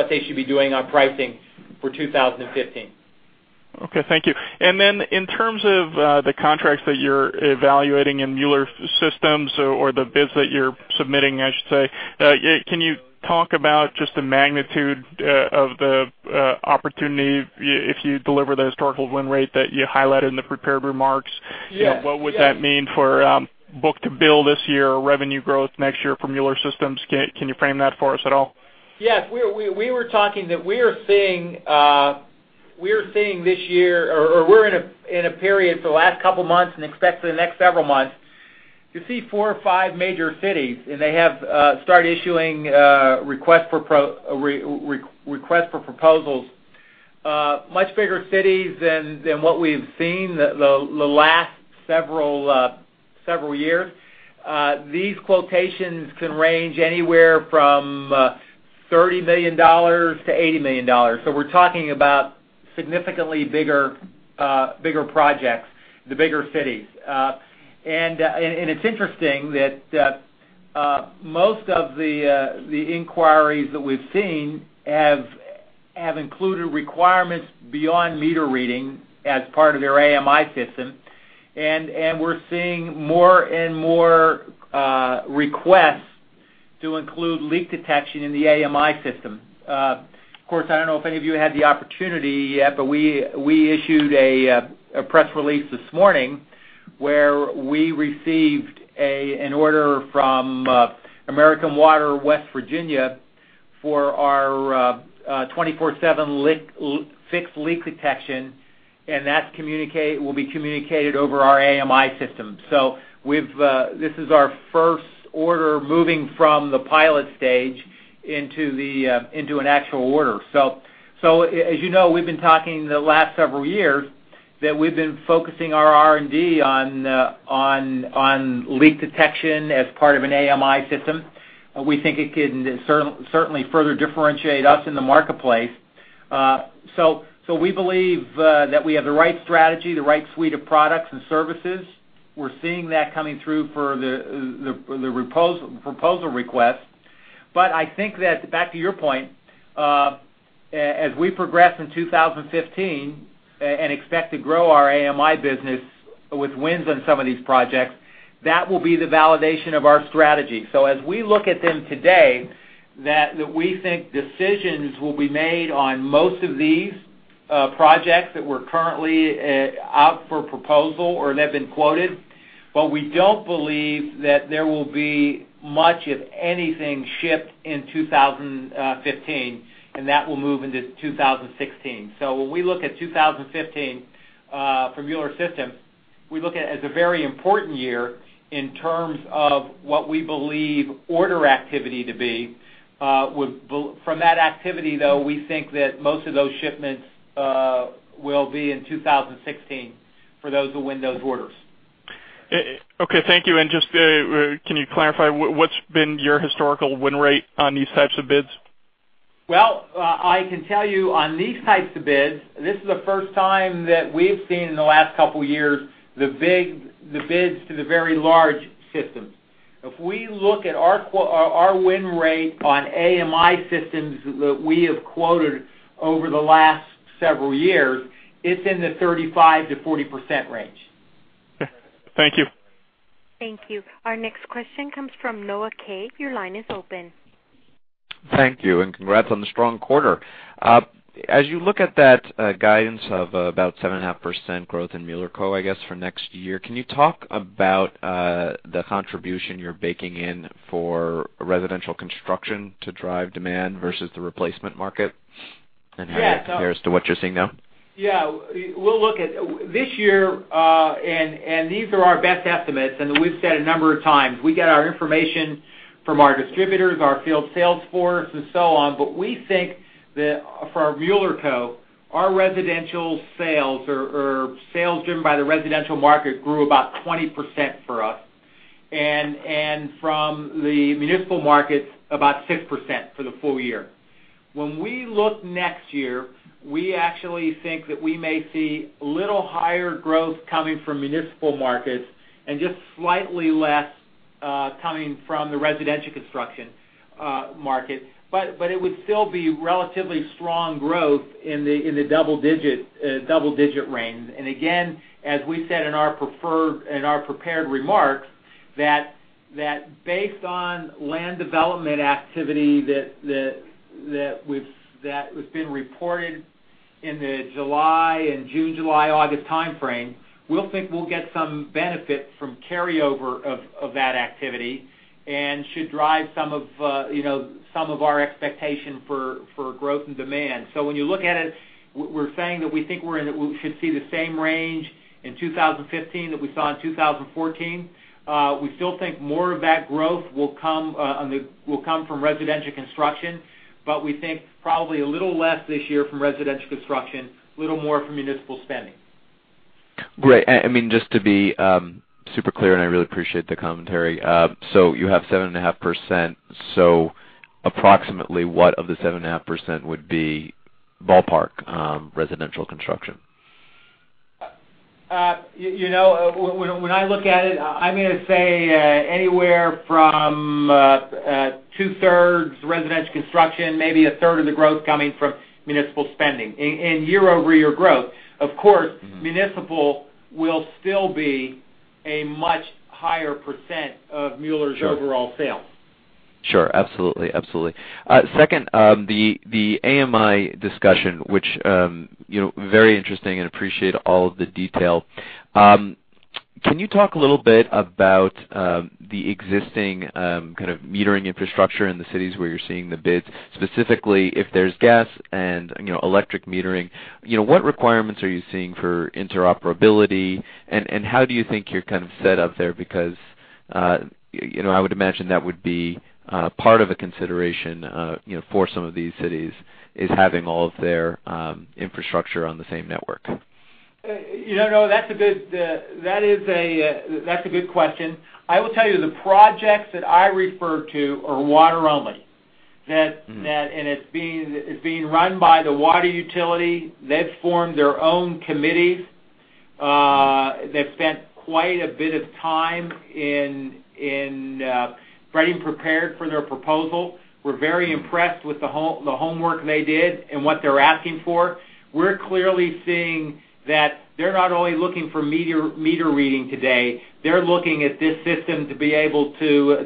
they should be doing on pricing for 2015. Okay, thank you. In terms of the contracts that you're evaluating in Mueller Systems or the bids that you're submitting, I should say, can you talk about just the magnitude of the opportunity if you deliver the historical win rate that you highlighted in the prepared remarks? Yes. What would that mean for book-to-bill this year or revenue growth next year from Mueller Systems? Can you frame that for us at all? Yes. We were talking that we are seeing this year, or we're in a period for the last couple of months and expect for the next several months to see four or five major cities. They have started issuing requests for proposals. Much bigger cities than what we've seen the last several years. These quotations can range anywhere from $30 million-$80 million. We're talking about significantly bigger projects, the bigger cities. It's interesting that most of the inquiries that we've seen have included requirements beyond meter reading as part of their AMI system. We're seeing more and more requests to include leak detection in the AMI system. Of course, I don't know if any of you had the opportunity yet. We issued a press release this morning where we received an order from West Virginia American Water for our 24/7 fixed leak detection, and that will be communicated over our AMI system. This is our first order moving from the pilot stage into an actual order. As you know, we've been talking the last several years that we've been focusing our R&D on leak detection as part of an AMI system. We think it can certainly further differentiate us in the marketplace. We believe that we have the right strategy, the right suite of products and services. We're seeing that coming through for the proposal request. I think that back to your point, as we progress in 2015 and expect to grow our AMI business with wins on some of these projects, that will be the validation of our strategy. As we look at them today, we think decisions will be made on most of these projects that were currently out for proposal or that have been quoted. We don't believe that there will be much of anything shipped in 2015, and that will move into 2016. When we look at 2015 for Mueller Systems, we look at it as a very important year in terms of what we believe order activity to be. From that activity, though, we think that most of those shipments will be in 2016 for those who win those orders. Okay, thank you. Just can you clarify what's been your historical win rate on these types of bids? Well, I can tell you on these types of bids, this is the first time that we've seen in the last couple of years the bids to the very large systems. If we look at our win rate on AMI systems that we have quoted over the last several years, it's in the 35%-40% range. Okay. Thank you. Thank you. Our next question comes from Noah Kaye. Your line is open. Thank you, congrats on the strong quarter. As you look at that guidance of about 7.5% growth in Mueller Co., I guess for next year, can you talk about the contribution you're baking in for residential construction to drive demand versus the replacement market and how it compares to what you're seeing now? Yeah. This year, these are our best estimates, and we've said a number of times. We get our information from our distributors, our field sales force, and so on. We think that for our Mueller Co., our residential sales or sales driven by the residential market grew about 20% for us, and from the municipal markets, about 6% for the full year. When we look next year, we actually think that we may see a little higher growth coming from municipal markets and just slightly less coming from the residential construction market. It would still be relatively strong growth in the double-digit range. Again, as we said in our prepared remarks, that based on land development activity that has been reported in the June, July, August time frame, we'll think we'll get some benefit from carryover of that activity and should drive some of our expectation for growth and demand. When you look at it, we're saying that we think we should see the same range in 2015 that we saw in 2014. We still think more of that growth will come from residential construction, we think probably a little less this year from residential construction, a little more from municipal spending. Great. Just to be super clear, I really appreciate the commentary. You have 7.5%. Approximately what of the 7.5% would be ballpark residential construction? When I look at it, I'm going to say anywhere from two-thirds residential construction, maybe a third of the growth coming from municipal spending in year-over-year growth. Of course- municipal will still be a much higher % of Mueller's- Sure overall sales. Sure. Absolutely. Second, the AMI discussion, which very interesting and appreciate all of the detail. Can you talk a little bit about the existing kind of metering infrastructure in the cities where you're seeing the bids, specifically if there's gas and electric metering. What requirements are you seeing for interoperability, and how do you think you're kind of set up there? I would imagine that would be part of a consideration for some of these cities, is having all of their infrastructure on the same network. That's a good question. I will tell you the projects that I refer to are water only. It's being run by the water utility. They've formed their own committees. They've spent quite a bit of time in writing, prepared for their proposal. We're very impressed with the homework they did and what they're asking for. We're clearly seeing that they're not only looking for meter reading today. They're looking at this system to be able to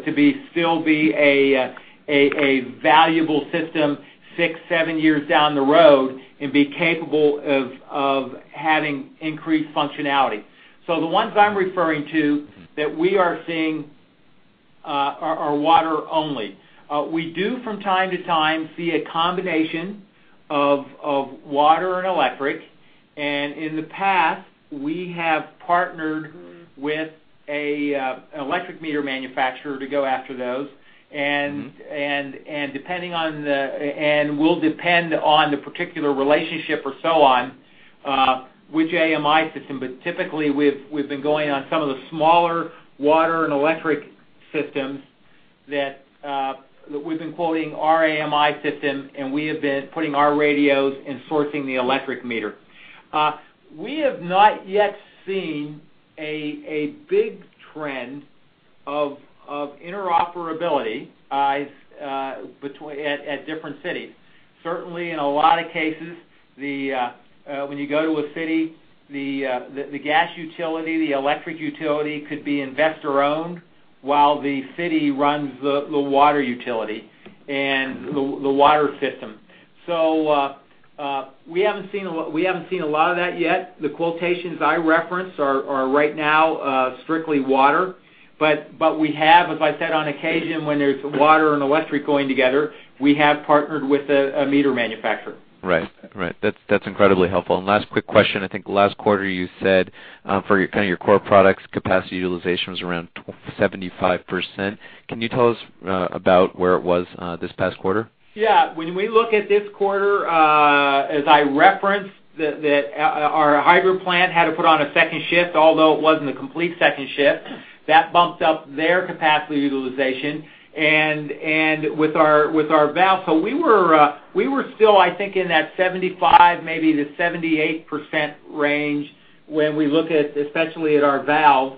still be a valuable system six, seven years down the road and be capable of having increased functionality. The ones I'm referring to that we are seeing are water only. We do from time to time see a combination of water and electric, and in the past, we have partnered with an electric meter manufacturer to go after those. Will depend on the particular relationship or so on which AMI system, but typically we've been going on some of the smaller water and electric systems that we've been quoting our AMI system, and we have been putting our radios and sourcing the electric meter. We have not yet seen a big trend of interoperability at different cities. Certainly, in a lot of cases, when you go to a city, the gas utility, the electric utility could be investor-owned while the city runs the water utility and the water system. We haven't seen a lot of that yet. The quotations I referenced are right now strictly water. We have, as I said, on occasion, when there's water and electric going together, we have partnered with a meter manufacturer. Right. That's incredibly helpful. Last quick question. I think last quarter you said for your core products, capacity utilization was around 75%. Can you tell us about where it was this past quarter? Yeah. When we look at this quarter, as I referenced, that our hydro plant had to put on a second shift, although it wasn't a complete second shift. That bumped up their capacity utilization. We were still, I think, in that 75%-78% range when we look at, especially at our valve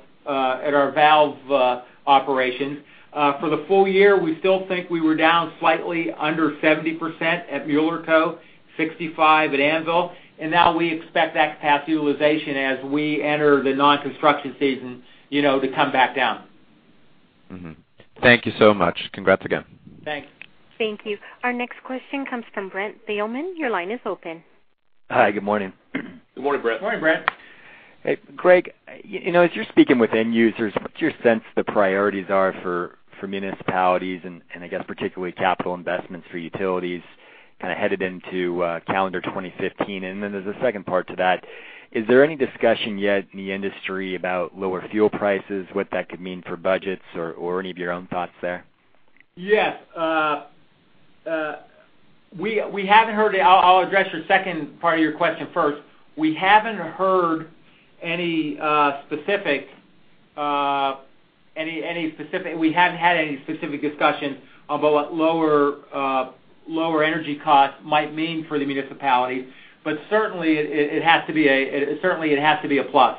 operations. For the full year, we still think we were down slightly under 70% at Mueller Co, 65% at Anvil, now we expect that capacity utilization as we enter the non-construction season, to come back down. Mm-hmm. Thank you so much. Congrats again. Thanks. Thank you. Our next question comes from Brent Thielman. Your line is open. Hi. Good morning. Good morning, Brett. Morning, Brett. Hey, Greg, as you're speaking with end users, what's your sense the priorities are for municipalities and, I guess, particularly capital investments for utilities kind of headed into calendar 2015? Then there's a second part to that. Is there any discussion yet in the industry about lower fuel prices, what that could mean for budgets or any of your own thoughts there? Yes. I'll address your second part of your question first. We haven't had any specific discussion about what lower energy costs might mean for the municipality, but certainly it has to be a plus.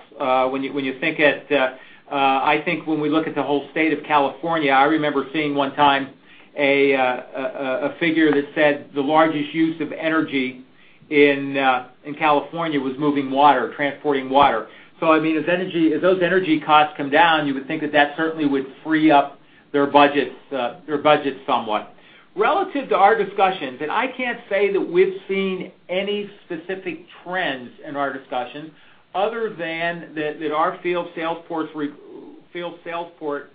I think when we look at the whole state of California, I remember seeing one time a figure that said the largest use of energy in California was moving water, transporting water. I mean, as those energy costs come down, you would think that that certainly would free up their budgets somewhat. Relative to our discussions, I can't say that we've seen any specific trends in our discussions other than that our field sales force report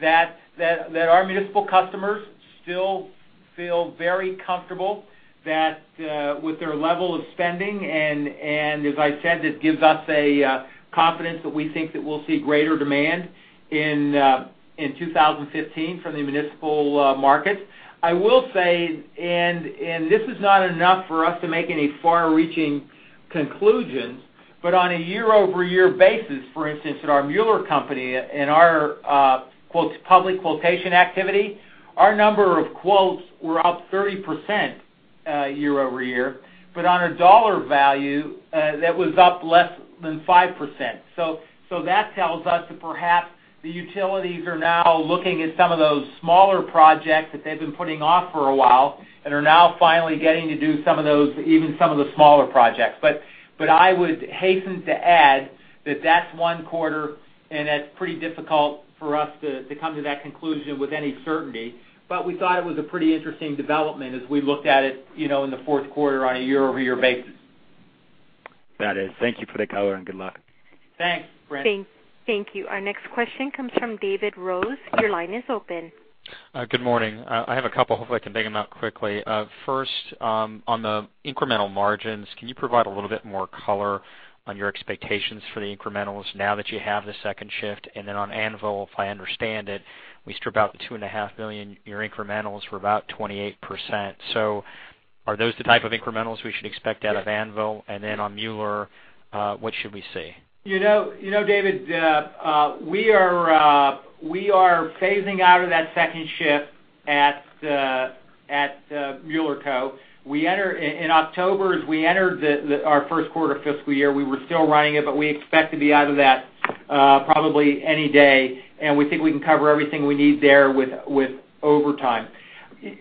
that our municipal customers still feel very comfortable with their level of spending. As I said, this gives us a confidence that we think that we'll see greater demand in 2015 from the municipal markets. I will say, this is not enough for us to make any far-reaching conclusions, but on a year-over-year basis, for instance, at our Mueller Co., in our "public quotation activity," our number of quotes were up 30% year-over-year, but on a dollar value, that was up less than 5%. That tells us that perhaps the utilities are now looking at some of those smaller projects that they've been putting off for a while and are now finally getting to do even some of the smaller projects. I would hasten to add that that's one quarter, that's pretty difficult for us to come to that conclusion with any certainty. We thought it was a pretty interesting development as we looked at it in the fourth quarter on a year-over-year basis. That is. Thank you for the color, good luck. Thanks, Brett. Thank you. Our next question comes from David Rose. Your line is open. Good morning. I have a couple. Hopefully, I can bang them out quickly. First, on the incremental margins, can you provide a little bit more color on your expectations for the incrementals now that you have the second shift? On Anvil, if I understand it, we strip out the $2.5 million, your incrementals were about 28%. Are those the type of incrementals we should expect out of Anvil? On Mueller, what should we see? You know, David, we are phasing out of that second shift at Mueller Co. In October, as we entered our first quarter fiscal year, we were still running it, we expect to be out of that probably any day, we think we can cover everything we need there with overtime.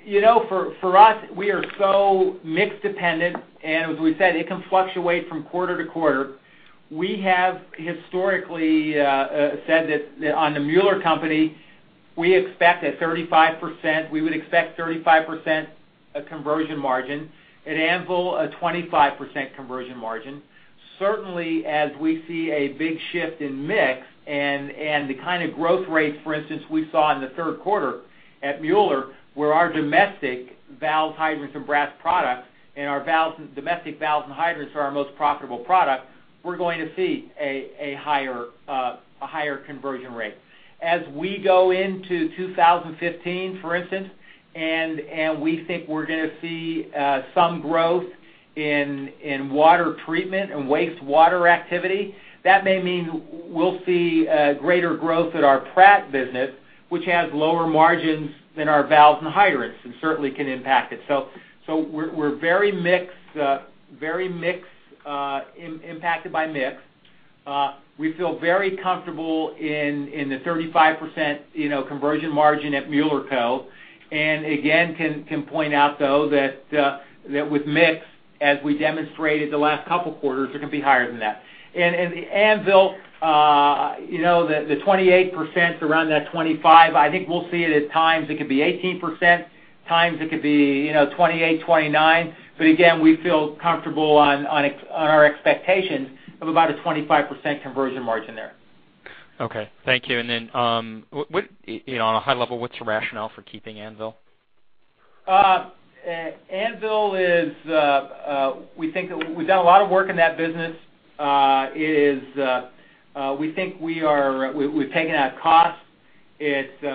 For us, we are so mix dependent, as we said, it can fluctuate from quarter to quarter. We have historically said that on the Mueller Co., we would expect 35% conversion margin. At Anvil, a 25% conversion margin. Certainly, as we see a big shift in mix and the kind of growth rates, for instance, we saw in the third quarter at Mueller Co., where our domestic valve hydrants and brass products and our domestic valves and hydrants are our most profitable product, we are going to see a higher conversion rate. As we go into 2015, for instance, we think we are going to see some growth in water treatment and wastewater activity, that may mean we will see a greater growth at our Pratt business, which has lower margins than our valves and hydrants, certainly can impact it. We are very mixed, impacted by mix. We feel very comfortable in the 35% conversion margin at Mueller Co. Again, can point out though that with mix, as we demonstrated the last couple of quarters, it can be higher than that. Anvil, the 28% around that 25%, I think we will see it at times it could be 18%, times it could be 28%, 29%. Again, we feel comfortable on our expectations of about a 25% conversion margin there. Okay. Thank you. Then, on a high level, what's your rationale for keeping Anvil? Anvil, we've done a lot of work in that business. We think we've taken out cost.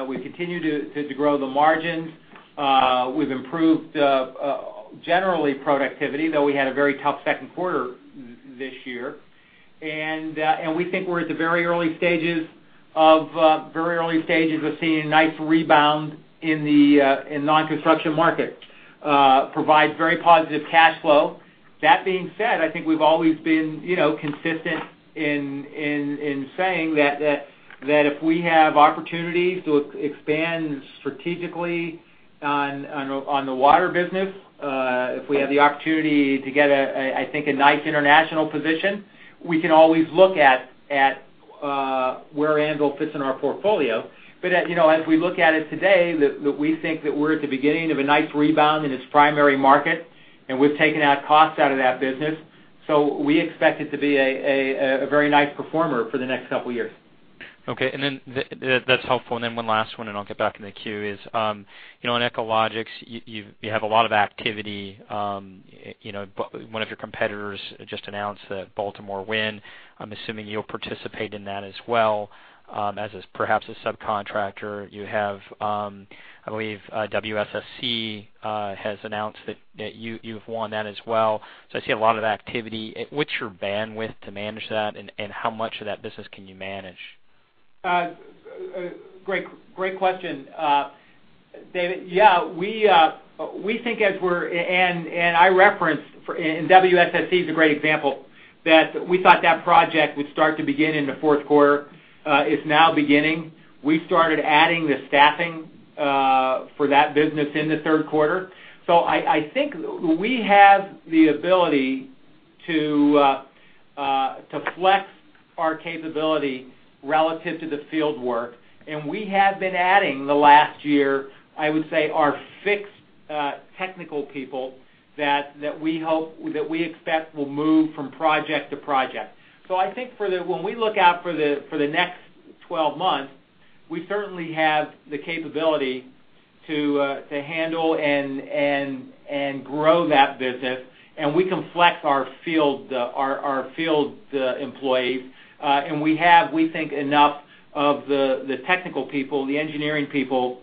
We continue to grow the margins. We've improved, generally, productivity, though we had a very tough second quarter this year. We think we're at the very early stages of seeing a nice rebound in non-construction market. Provides very positive cash flow. That being said, I think we've always been consistent in saying that if we have opportunities to expand strategically on the water business, if we have the opportunity to get, I think, a nice international position, we can always look at where Anvil fits in our portfolio. As we look at it today, we think that we're at the beginning of a nice rebound in its primary market, and we've taken out costs out of that business. We expect it to be a very nice performer for the next couple of years. Okay. That's helpful. Then one last one, and I'll get back in the queue, is, in Echologics, you have a lot of activity. One of your competitors just announced the Baltimore win. I'm assuming you'll participate in that as well, as perhaps a subcontractor. You have, I believe, WSSC Water has announced that you've won that as well. I see a lot of activity. What's your bandwidth to manage that, and how much of that business can you manage? Great question, David. Yeah, I referenced, and WSSC is a great example, that we thought that project would start to begin in the fourth quarter. It's now beginning. We started adding the staffing for that business in the third quarter. I think we have the ability to flex our capability relative to the field work, and we have been adding the last year, I would say, our fixed technical people that we expect will move from project to project. I think when we look out for the next 12 months, we certainly have the capability to handle and grow that business, and we can flex our field employees. We have, we think, enough of the technical people, the engineering people,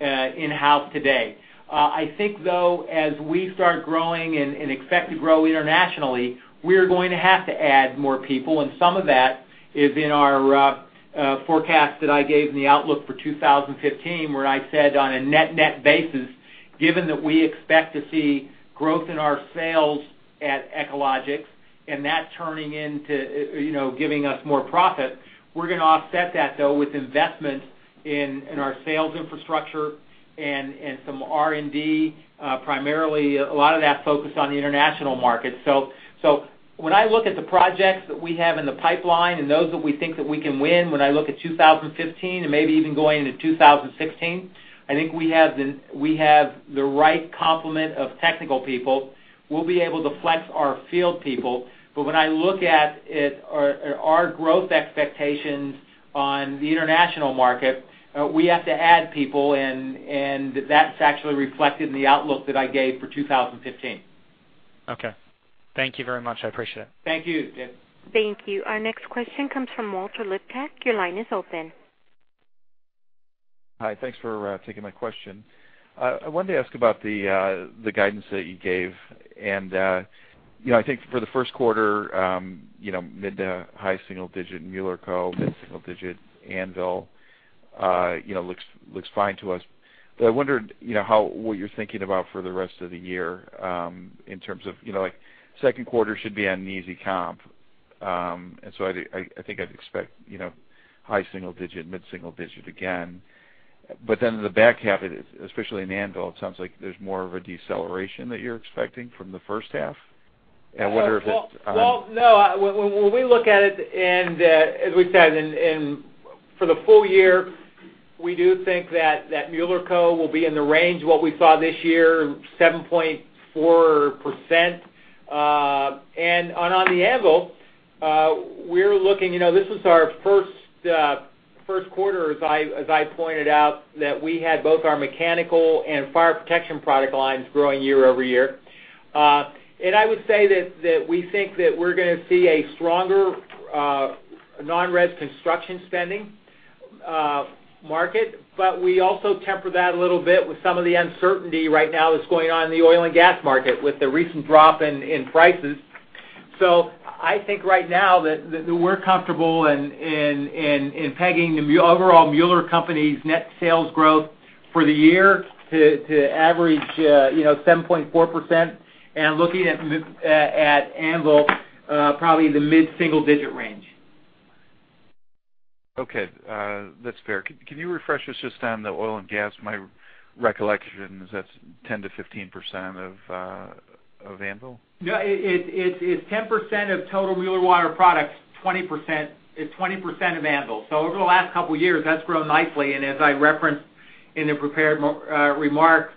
in-house today. I think, though, as we start growing and expect to grow internationally, we are going to have to add more people, and some of that is in our forecast that I gave in the outlook for 2015, where I said on a net-net basis, given that we expect to see growth in our sales at Echologics and that turning into giving us more profit, we're going to offset that though with investment in our sales infrastructure and some R&D, primarily a lot of that focused on the international market. When I look at the projects that we have in the pipeline and those that we think that we can win, when I look at 2015 and maybe even going into 2016, I think we have the right complement of technical people. We'll be able to flex our field people. When I look at our growth expectations on the international market, we have to add people, and that's actually reflected in the outlook that I gave for 2015. Okay. Thank you very much. I appreciate it. Thank you, David. Thank you. Our next question comes from Walt Liptak. Your line is open. Hi. Thanks for taking my question. I wanted to ask about the guidance that you gave. I think for the first quarter, mid-to-high single-digit Mueller Co, mid-single-digit Anvil, looks fine to us. I wondered what you're thinking about for the rest of the year, in terms of, second quarter should be an easy comp. I think I'd expect high single-digit, mid-single-digit again. In the back half, especially in Anvil, it sounds like there's more of a deceleration that you're expecting from the first half? Well, no. When we look at it, as we've said, for the full year, we do think that Mueller Co will be in the range what we saw this year, 7.4%. On the Anvil, this was our first quarter, as I pointed out, that we had both our mechanical and fire protection product lines growing year-over-year. I would say that we think that we're going to see a stronger non-res construction spending market, we also temper that a little bit with some of the uncertainty right now that's going on in the oil and gas market with the recent drop in prices. I think right now that we're comfortable in pegging the overall Mueller Water Products's net sales growth for the year to average 7.4%, looking at Anvil, probably the mid-single-digit range. Okay. That's fair. Can you refresh us just on the oil and gas? My recollection is that's 10%-15% of Anvil. Yeah. It's 10% of total Mueller Water Products, 20% of Anvil. Over the last couple of years, that's grown nicely, and as I referenced in the prepared remarks,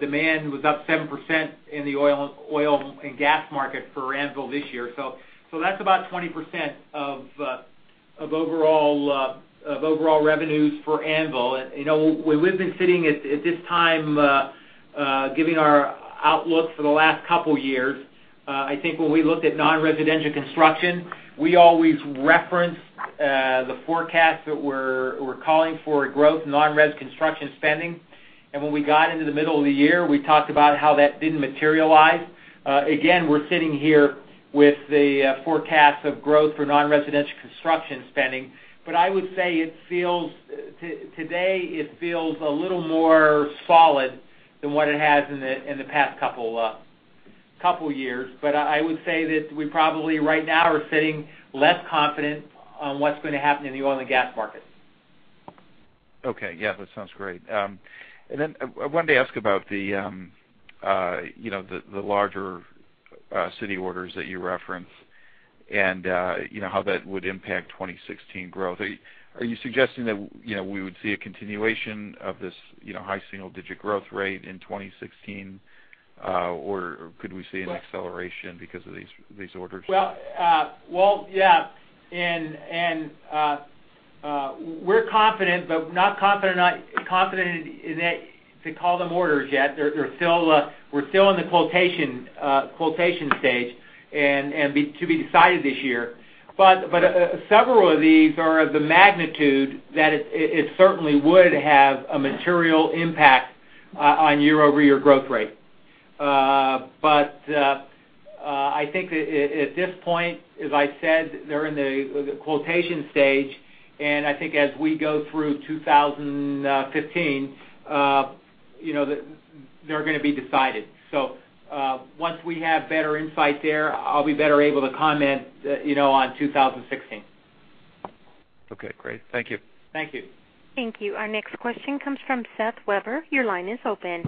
demand was up 7% in the oil and gas market for Anvil this year. That's about 20% of overall revenues for Anvil. When we've been sitting at this time giving our outlook for the last couple years, I think when we looked at non-residential construction, we always referenced the forecast that we're calling for growth in non-res construction spending. When we got into the middle of the year, we talked about how that didn't materialize. Again, we're sitting here with the forecast of growth for non-residential construction spending, but I would say today it feels a little more solid than what it has in the past couple years. I would say that we probably right now are sitting less confident on what's going to happen in the oil and gas market. Okay. Yeah, that sounds great. Then I wanted to ask about the larger city orders that you referenced and how that would impact 2016 growth. Are you suggesting that we would see a continuation of this high single digit growth rate in 2016, or could we see an acceleration because of these orders? Well, yeah. We're confident, not confident enough to call them orders yet. We're still in the quotation stage and to be decided this year. Several of these are of the magnitude that it certainly would have a material impact on year-over-year growth rate. I think at this point, as I said, they're in the quotation stage, and I think as we go through 2015, they're going to be decided. Once we have better insight there, I'll be better able to comment on 2016. Okay, great. Thank you. Thank you. Thank you. Our next question comes from Seth Weber. Your line is open.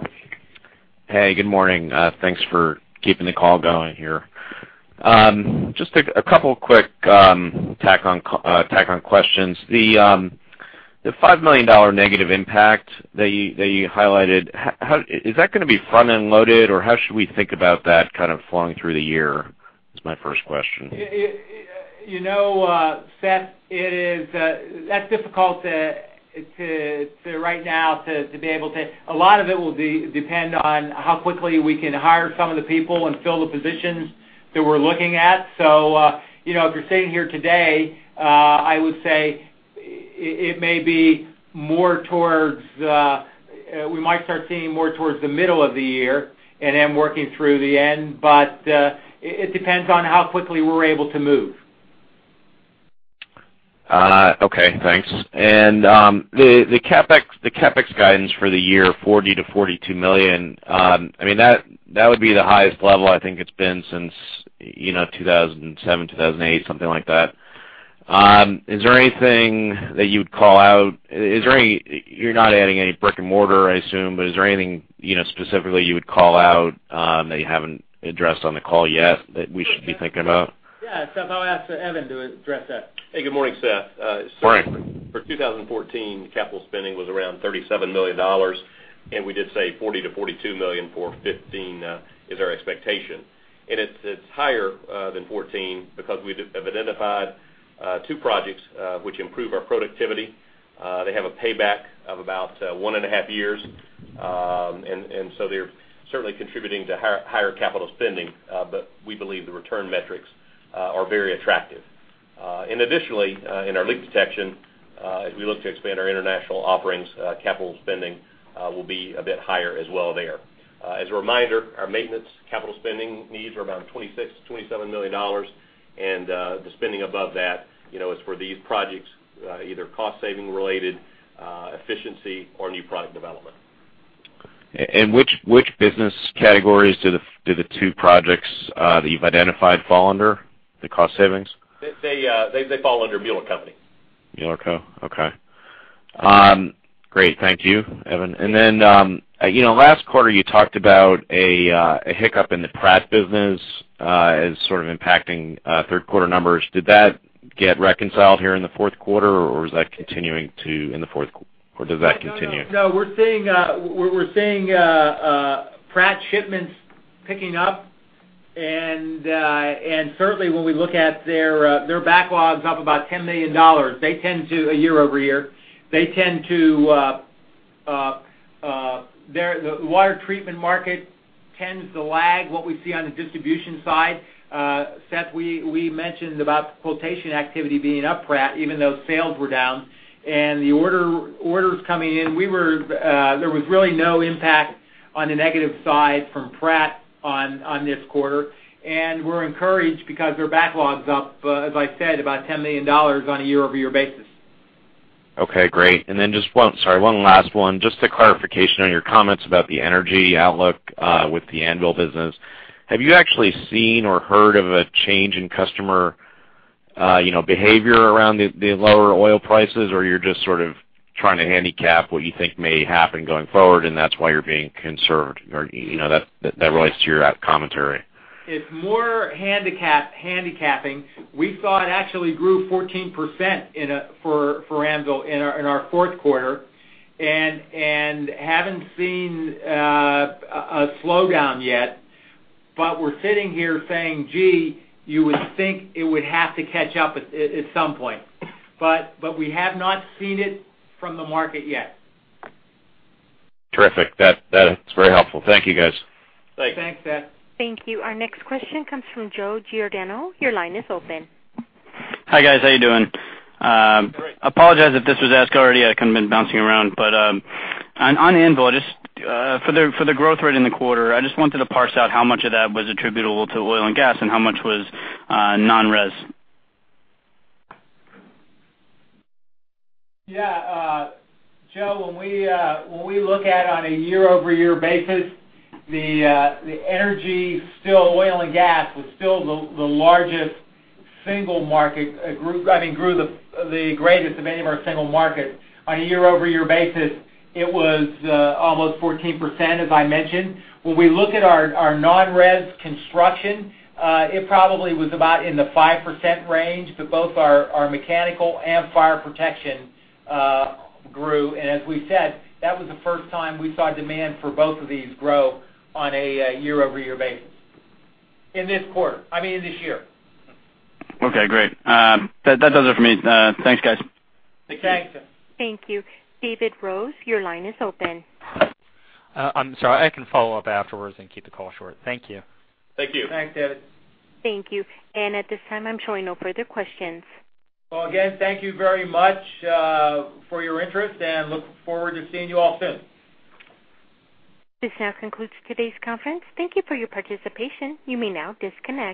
Hey, good morning. Thanks for keeping the call going here. Just a couple quick tack-on questions. The $5 million negative impact that you highlighted, is that going to be front-end loaded, or how should we think about that kind of flowing through the year? Is my first question. Seth, that's difficult right now. A lot of it will depend on how quickly we can hire some of the people and fill the positions that we're looking at. If you're sitting here today, I would say we might start seeing more towards the middle of the year and then working through the end, but it depends on how quickly we're able to move. Okay, thanks. The CapEx guidance for the year, $40 million-$42 million, that would be the highest level I think it's been since 2007, 2008, something like that. Is there anything that you would call out? You're not adding any brick and mortar, I assume, but is there anything specifically you would call out that you haven't addressed on the call yet that we should be thinking about? Yeah, Seth, I'll ask Evan to address that. Hey, good morning, Seth. Good morning. For 2014, capital spending was around $37 million. We did say $40 million-$42 million for 2015 is our expectation. It's higher than 2014 because we have identified two projects which improve our productivity. They have a payback of about one and a half years. They're certainly contributing to higher capital spending. We believe the return metrics are very attractive. Additionally, in our leak detection, as we look to expand our international offerings, capital spending will be a bit higher as well there. As a reminder, our maintenance capital spending needs are around $26 million-$27 million. The spending above that is for these projects, either cost saving related, efficiency, or new product development. Which business categories do the two projects that you've identified fall under, the cost savings? They fall under Mueller Co. Mueller Co. Okay. Great. Thank you, Evan. Last quarter you talked about a hiccup in the Pratt business as sort of impacting third quarter numbers. Did that get reconciled here in the fourth quarter, or does that continue? No, we're seeing Pratt shipments picking up. Certainly when we look at their backlogs up about $10 million, year-over-year. The water treatment market tends to lag what we see on the distribution side. Seth, we mentioned about quotation activity being up Pratt even though sales were down and the orders coming in, there was really no impact on the negative side from Pratt on this quarter, and we're encouraged because their backlogs up, as I said, about $10 million on a year-over-year basis. Okay, great. Just one, sorry, one last one, just a clarification on your comments about the energy outlook, with the Anvil business. Have you actually seen or heard of a change in customer behavior around the lower oil prices, or you're just sort of trying to handicap what you think may happen going forward and that's why you're being conserved, or that relates to your commentary? It's more handicapping. We saw it actually grew 14% for Anvil in our fourth quarter and haven't seen a slowdown yet. We're sitting here saying, "Gee, you would think it would have to catch up at some point." We have not seen it from the market yet. Terrific. That's very helpful. Thank you, guys. Thanks. Thanks, Seth. Thank you. Our next question comes from Joe Giordano. Your line is open. Hi, guys. How you doing? Great. Apologize if this was asked already. I've kind of been bouncing around, on Anvil, just for the growth rate in the quarter, I just wanted to parse out how much of that was attributable to oil and gas and how much was non-res? Yeah. Joe, when we look at on a year-over-year basis, the energy, oil and gas was still the largest single market, grew the greatest of any of our single markets. On a year-over-year basis, it was almost 14%, as I mentioned. When we look at our non-res construction, it probably was about in the 5% range, both our mechanical and fire protection grew, as we said, that was the first time we saw demand for both of these grow on a year-over-year basis, in this quarter, I mean, in this year. Okay, great. That does it for me. Thanks, guys. Thanks. Thanks. Thank you. David Rose, your line is open. I'm sorry. I can follow up afterwards and keep the call short. Thank you. Thank you. Thanks, David. Thank you. At this time, I'm showing no further questions. Well, again, thank you very much for your interest, and look forward to seeing you all soon. This now concludes today's conference. Thank you for your participation. You may now disconnect.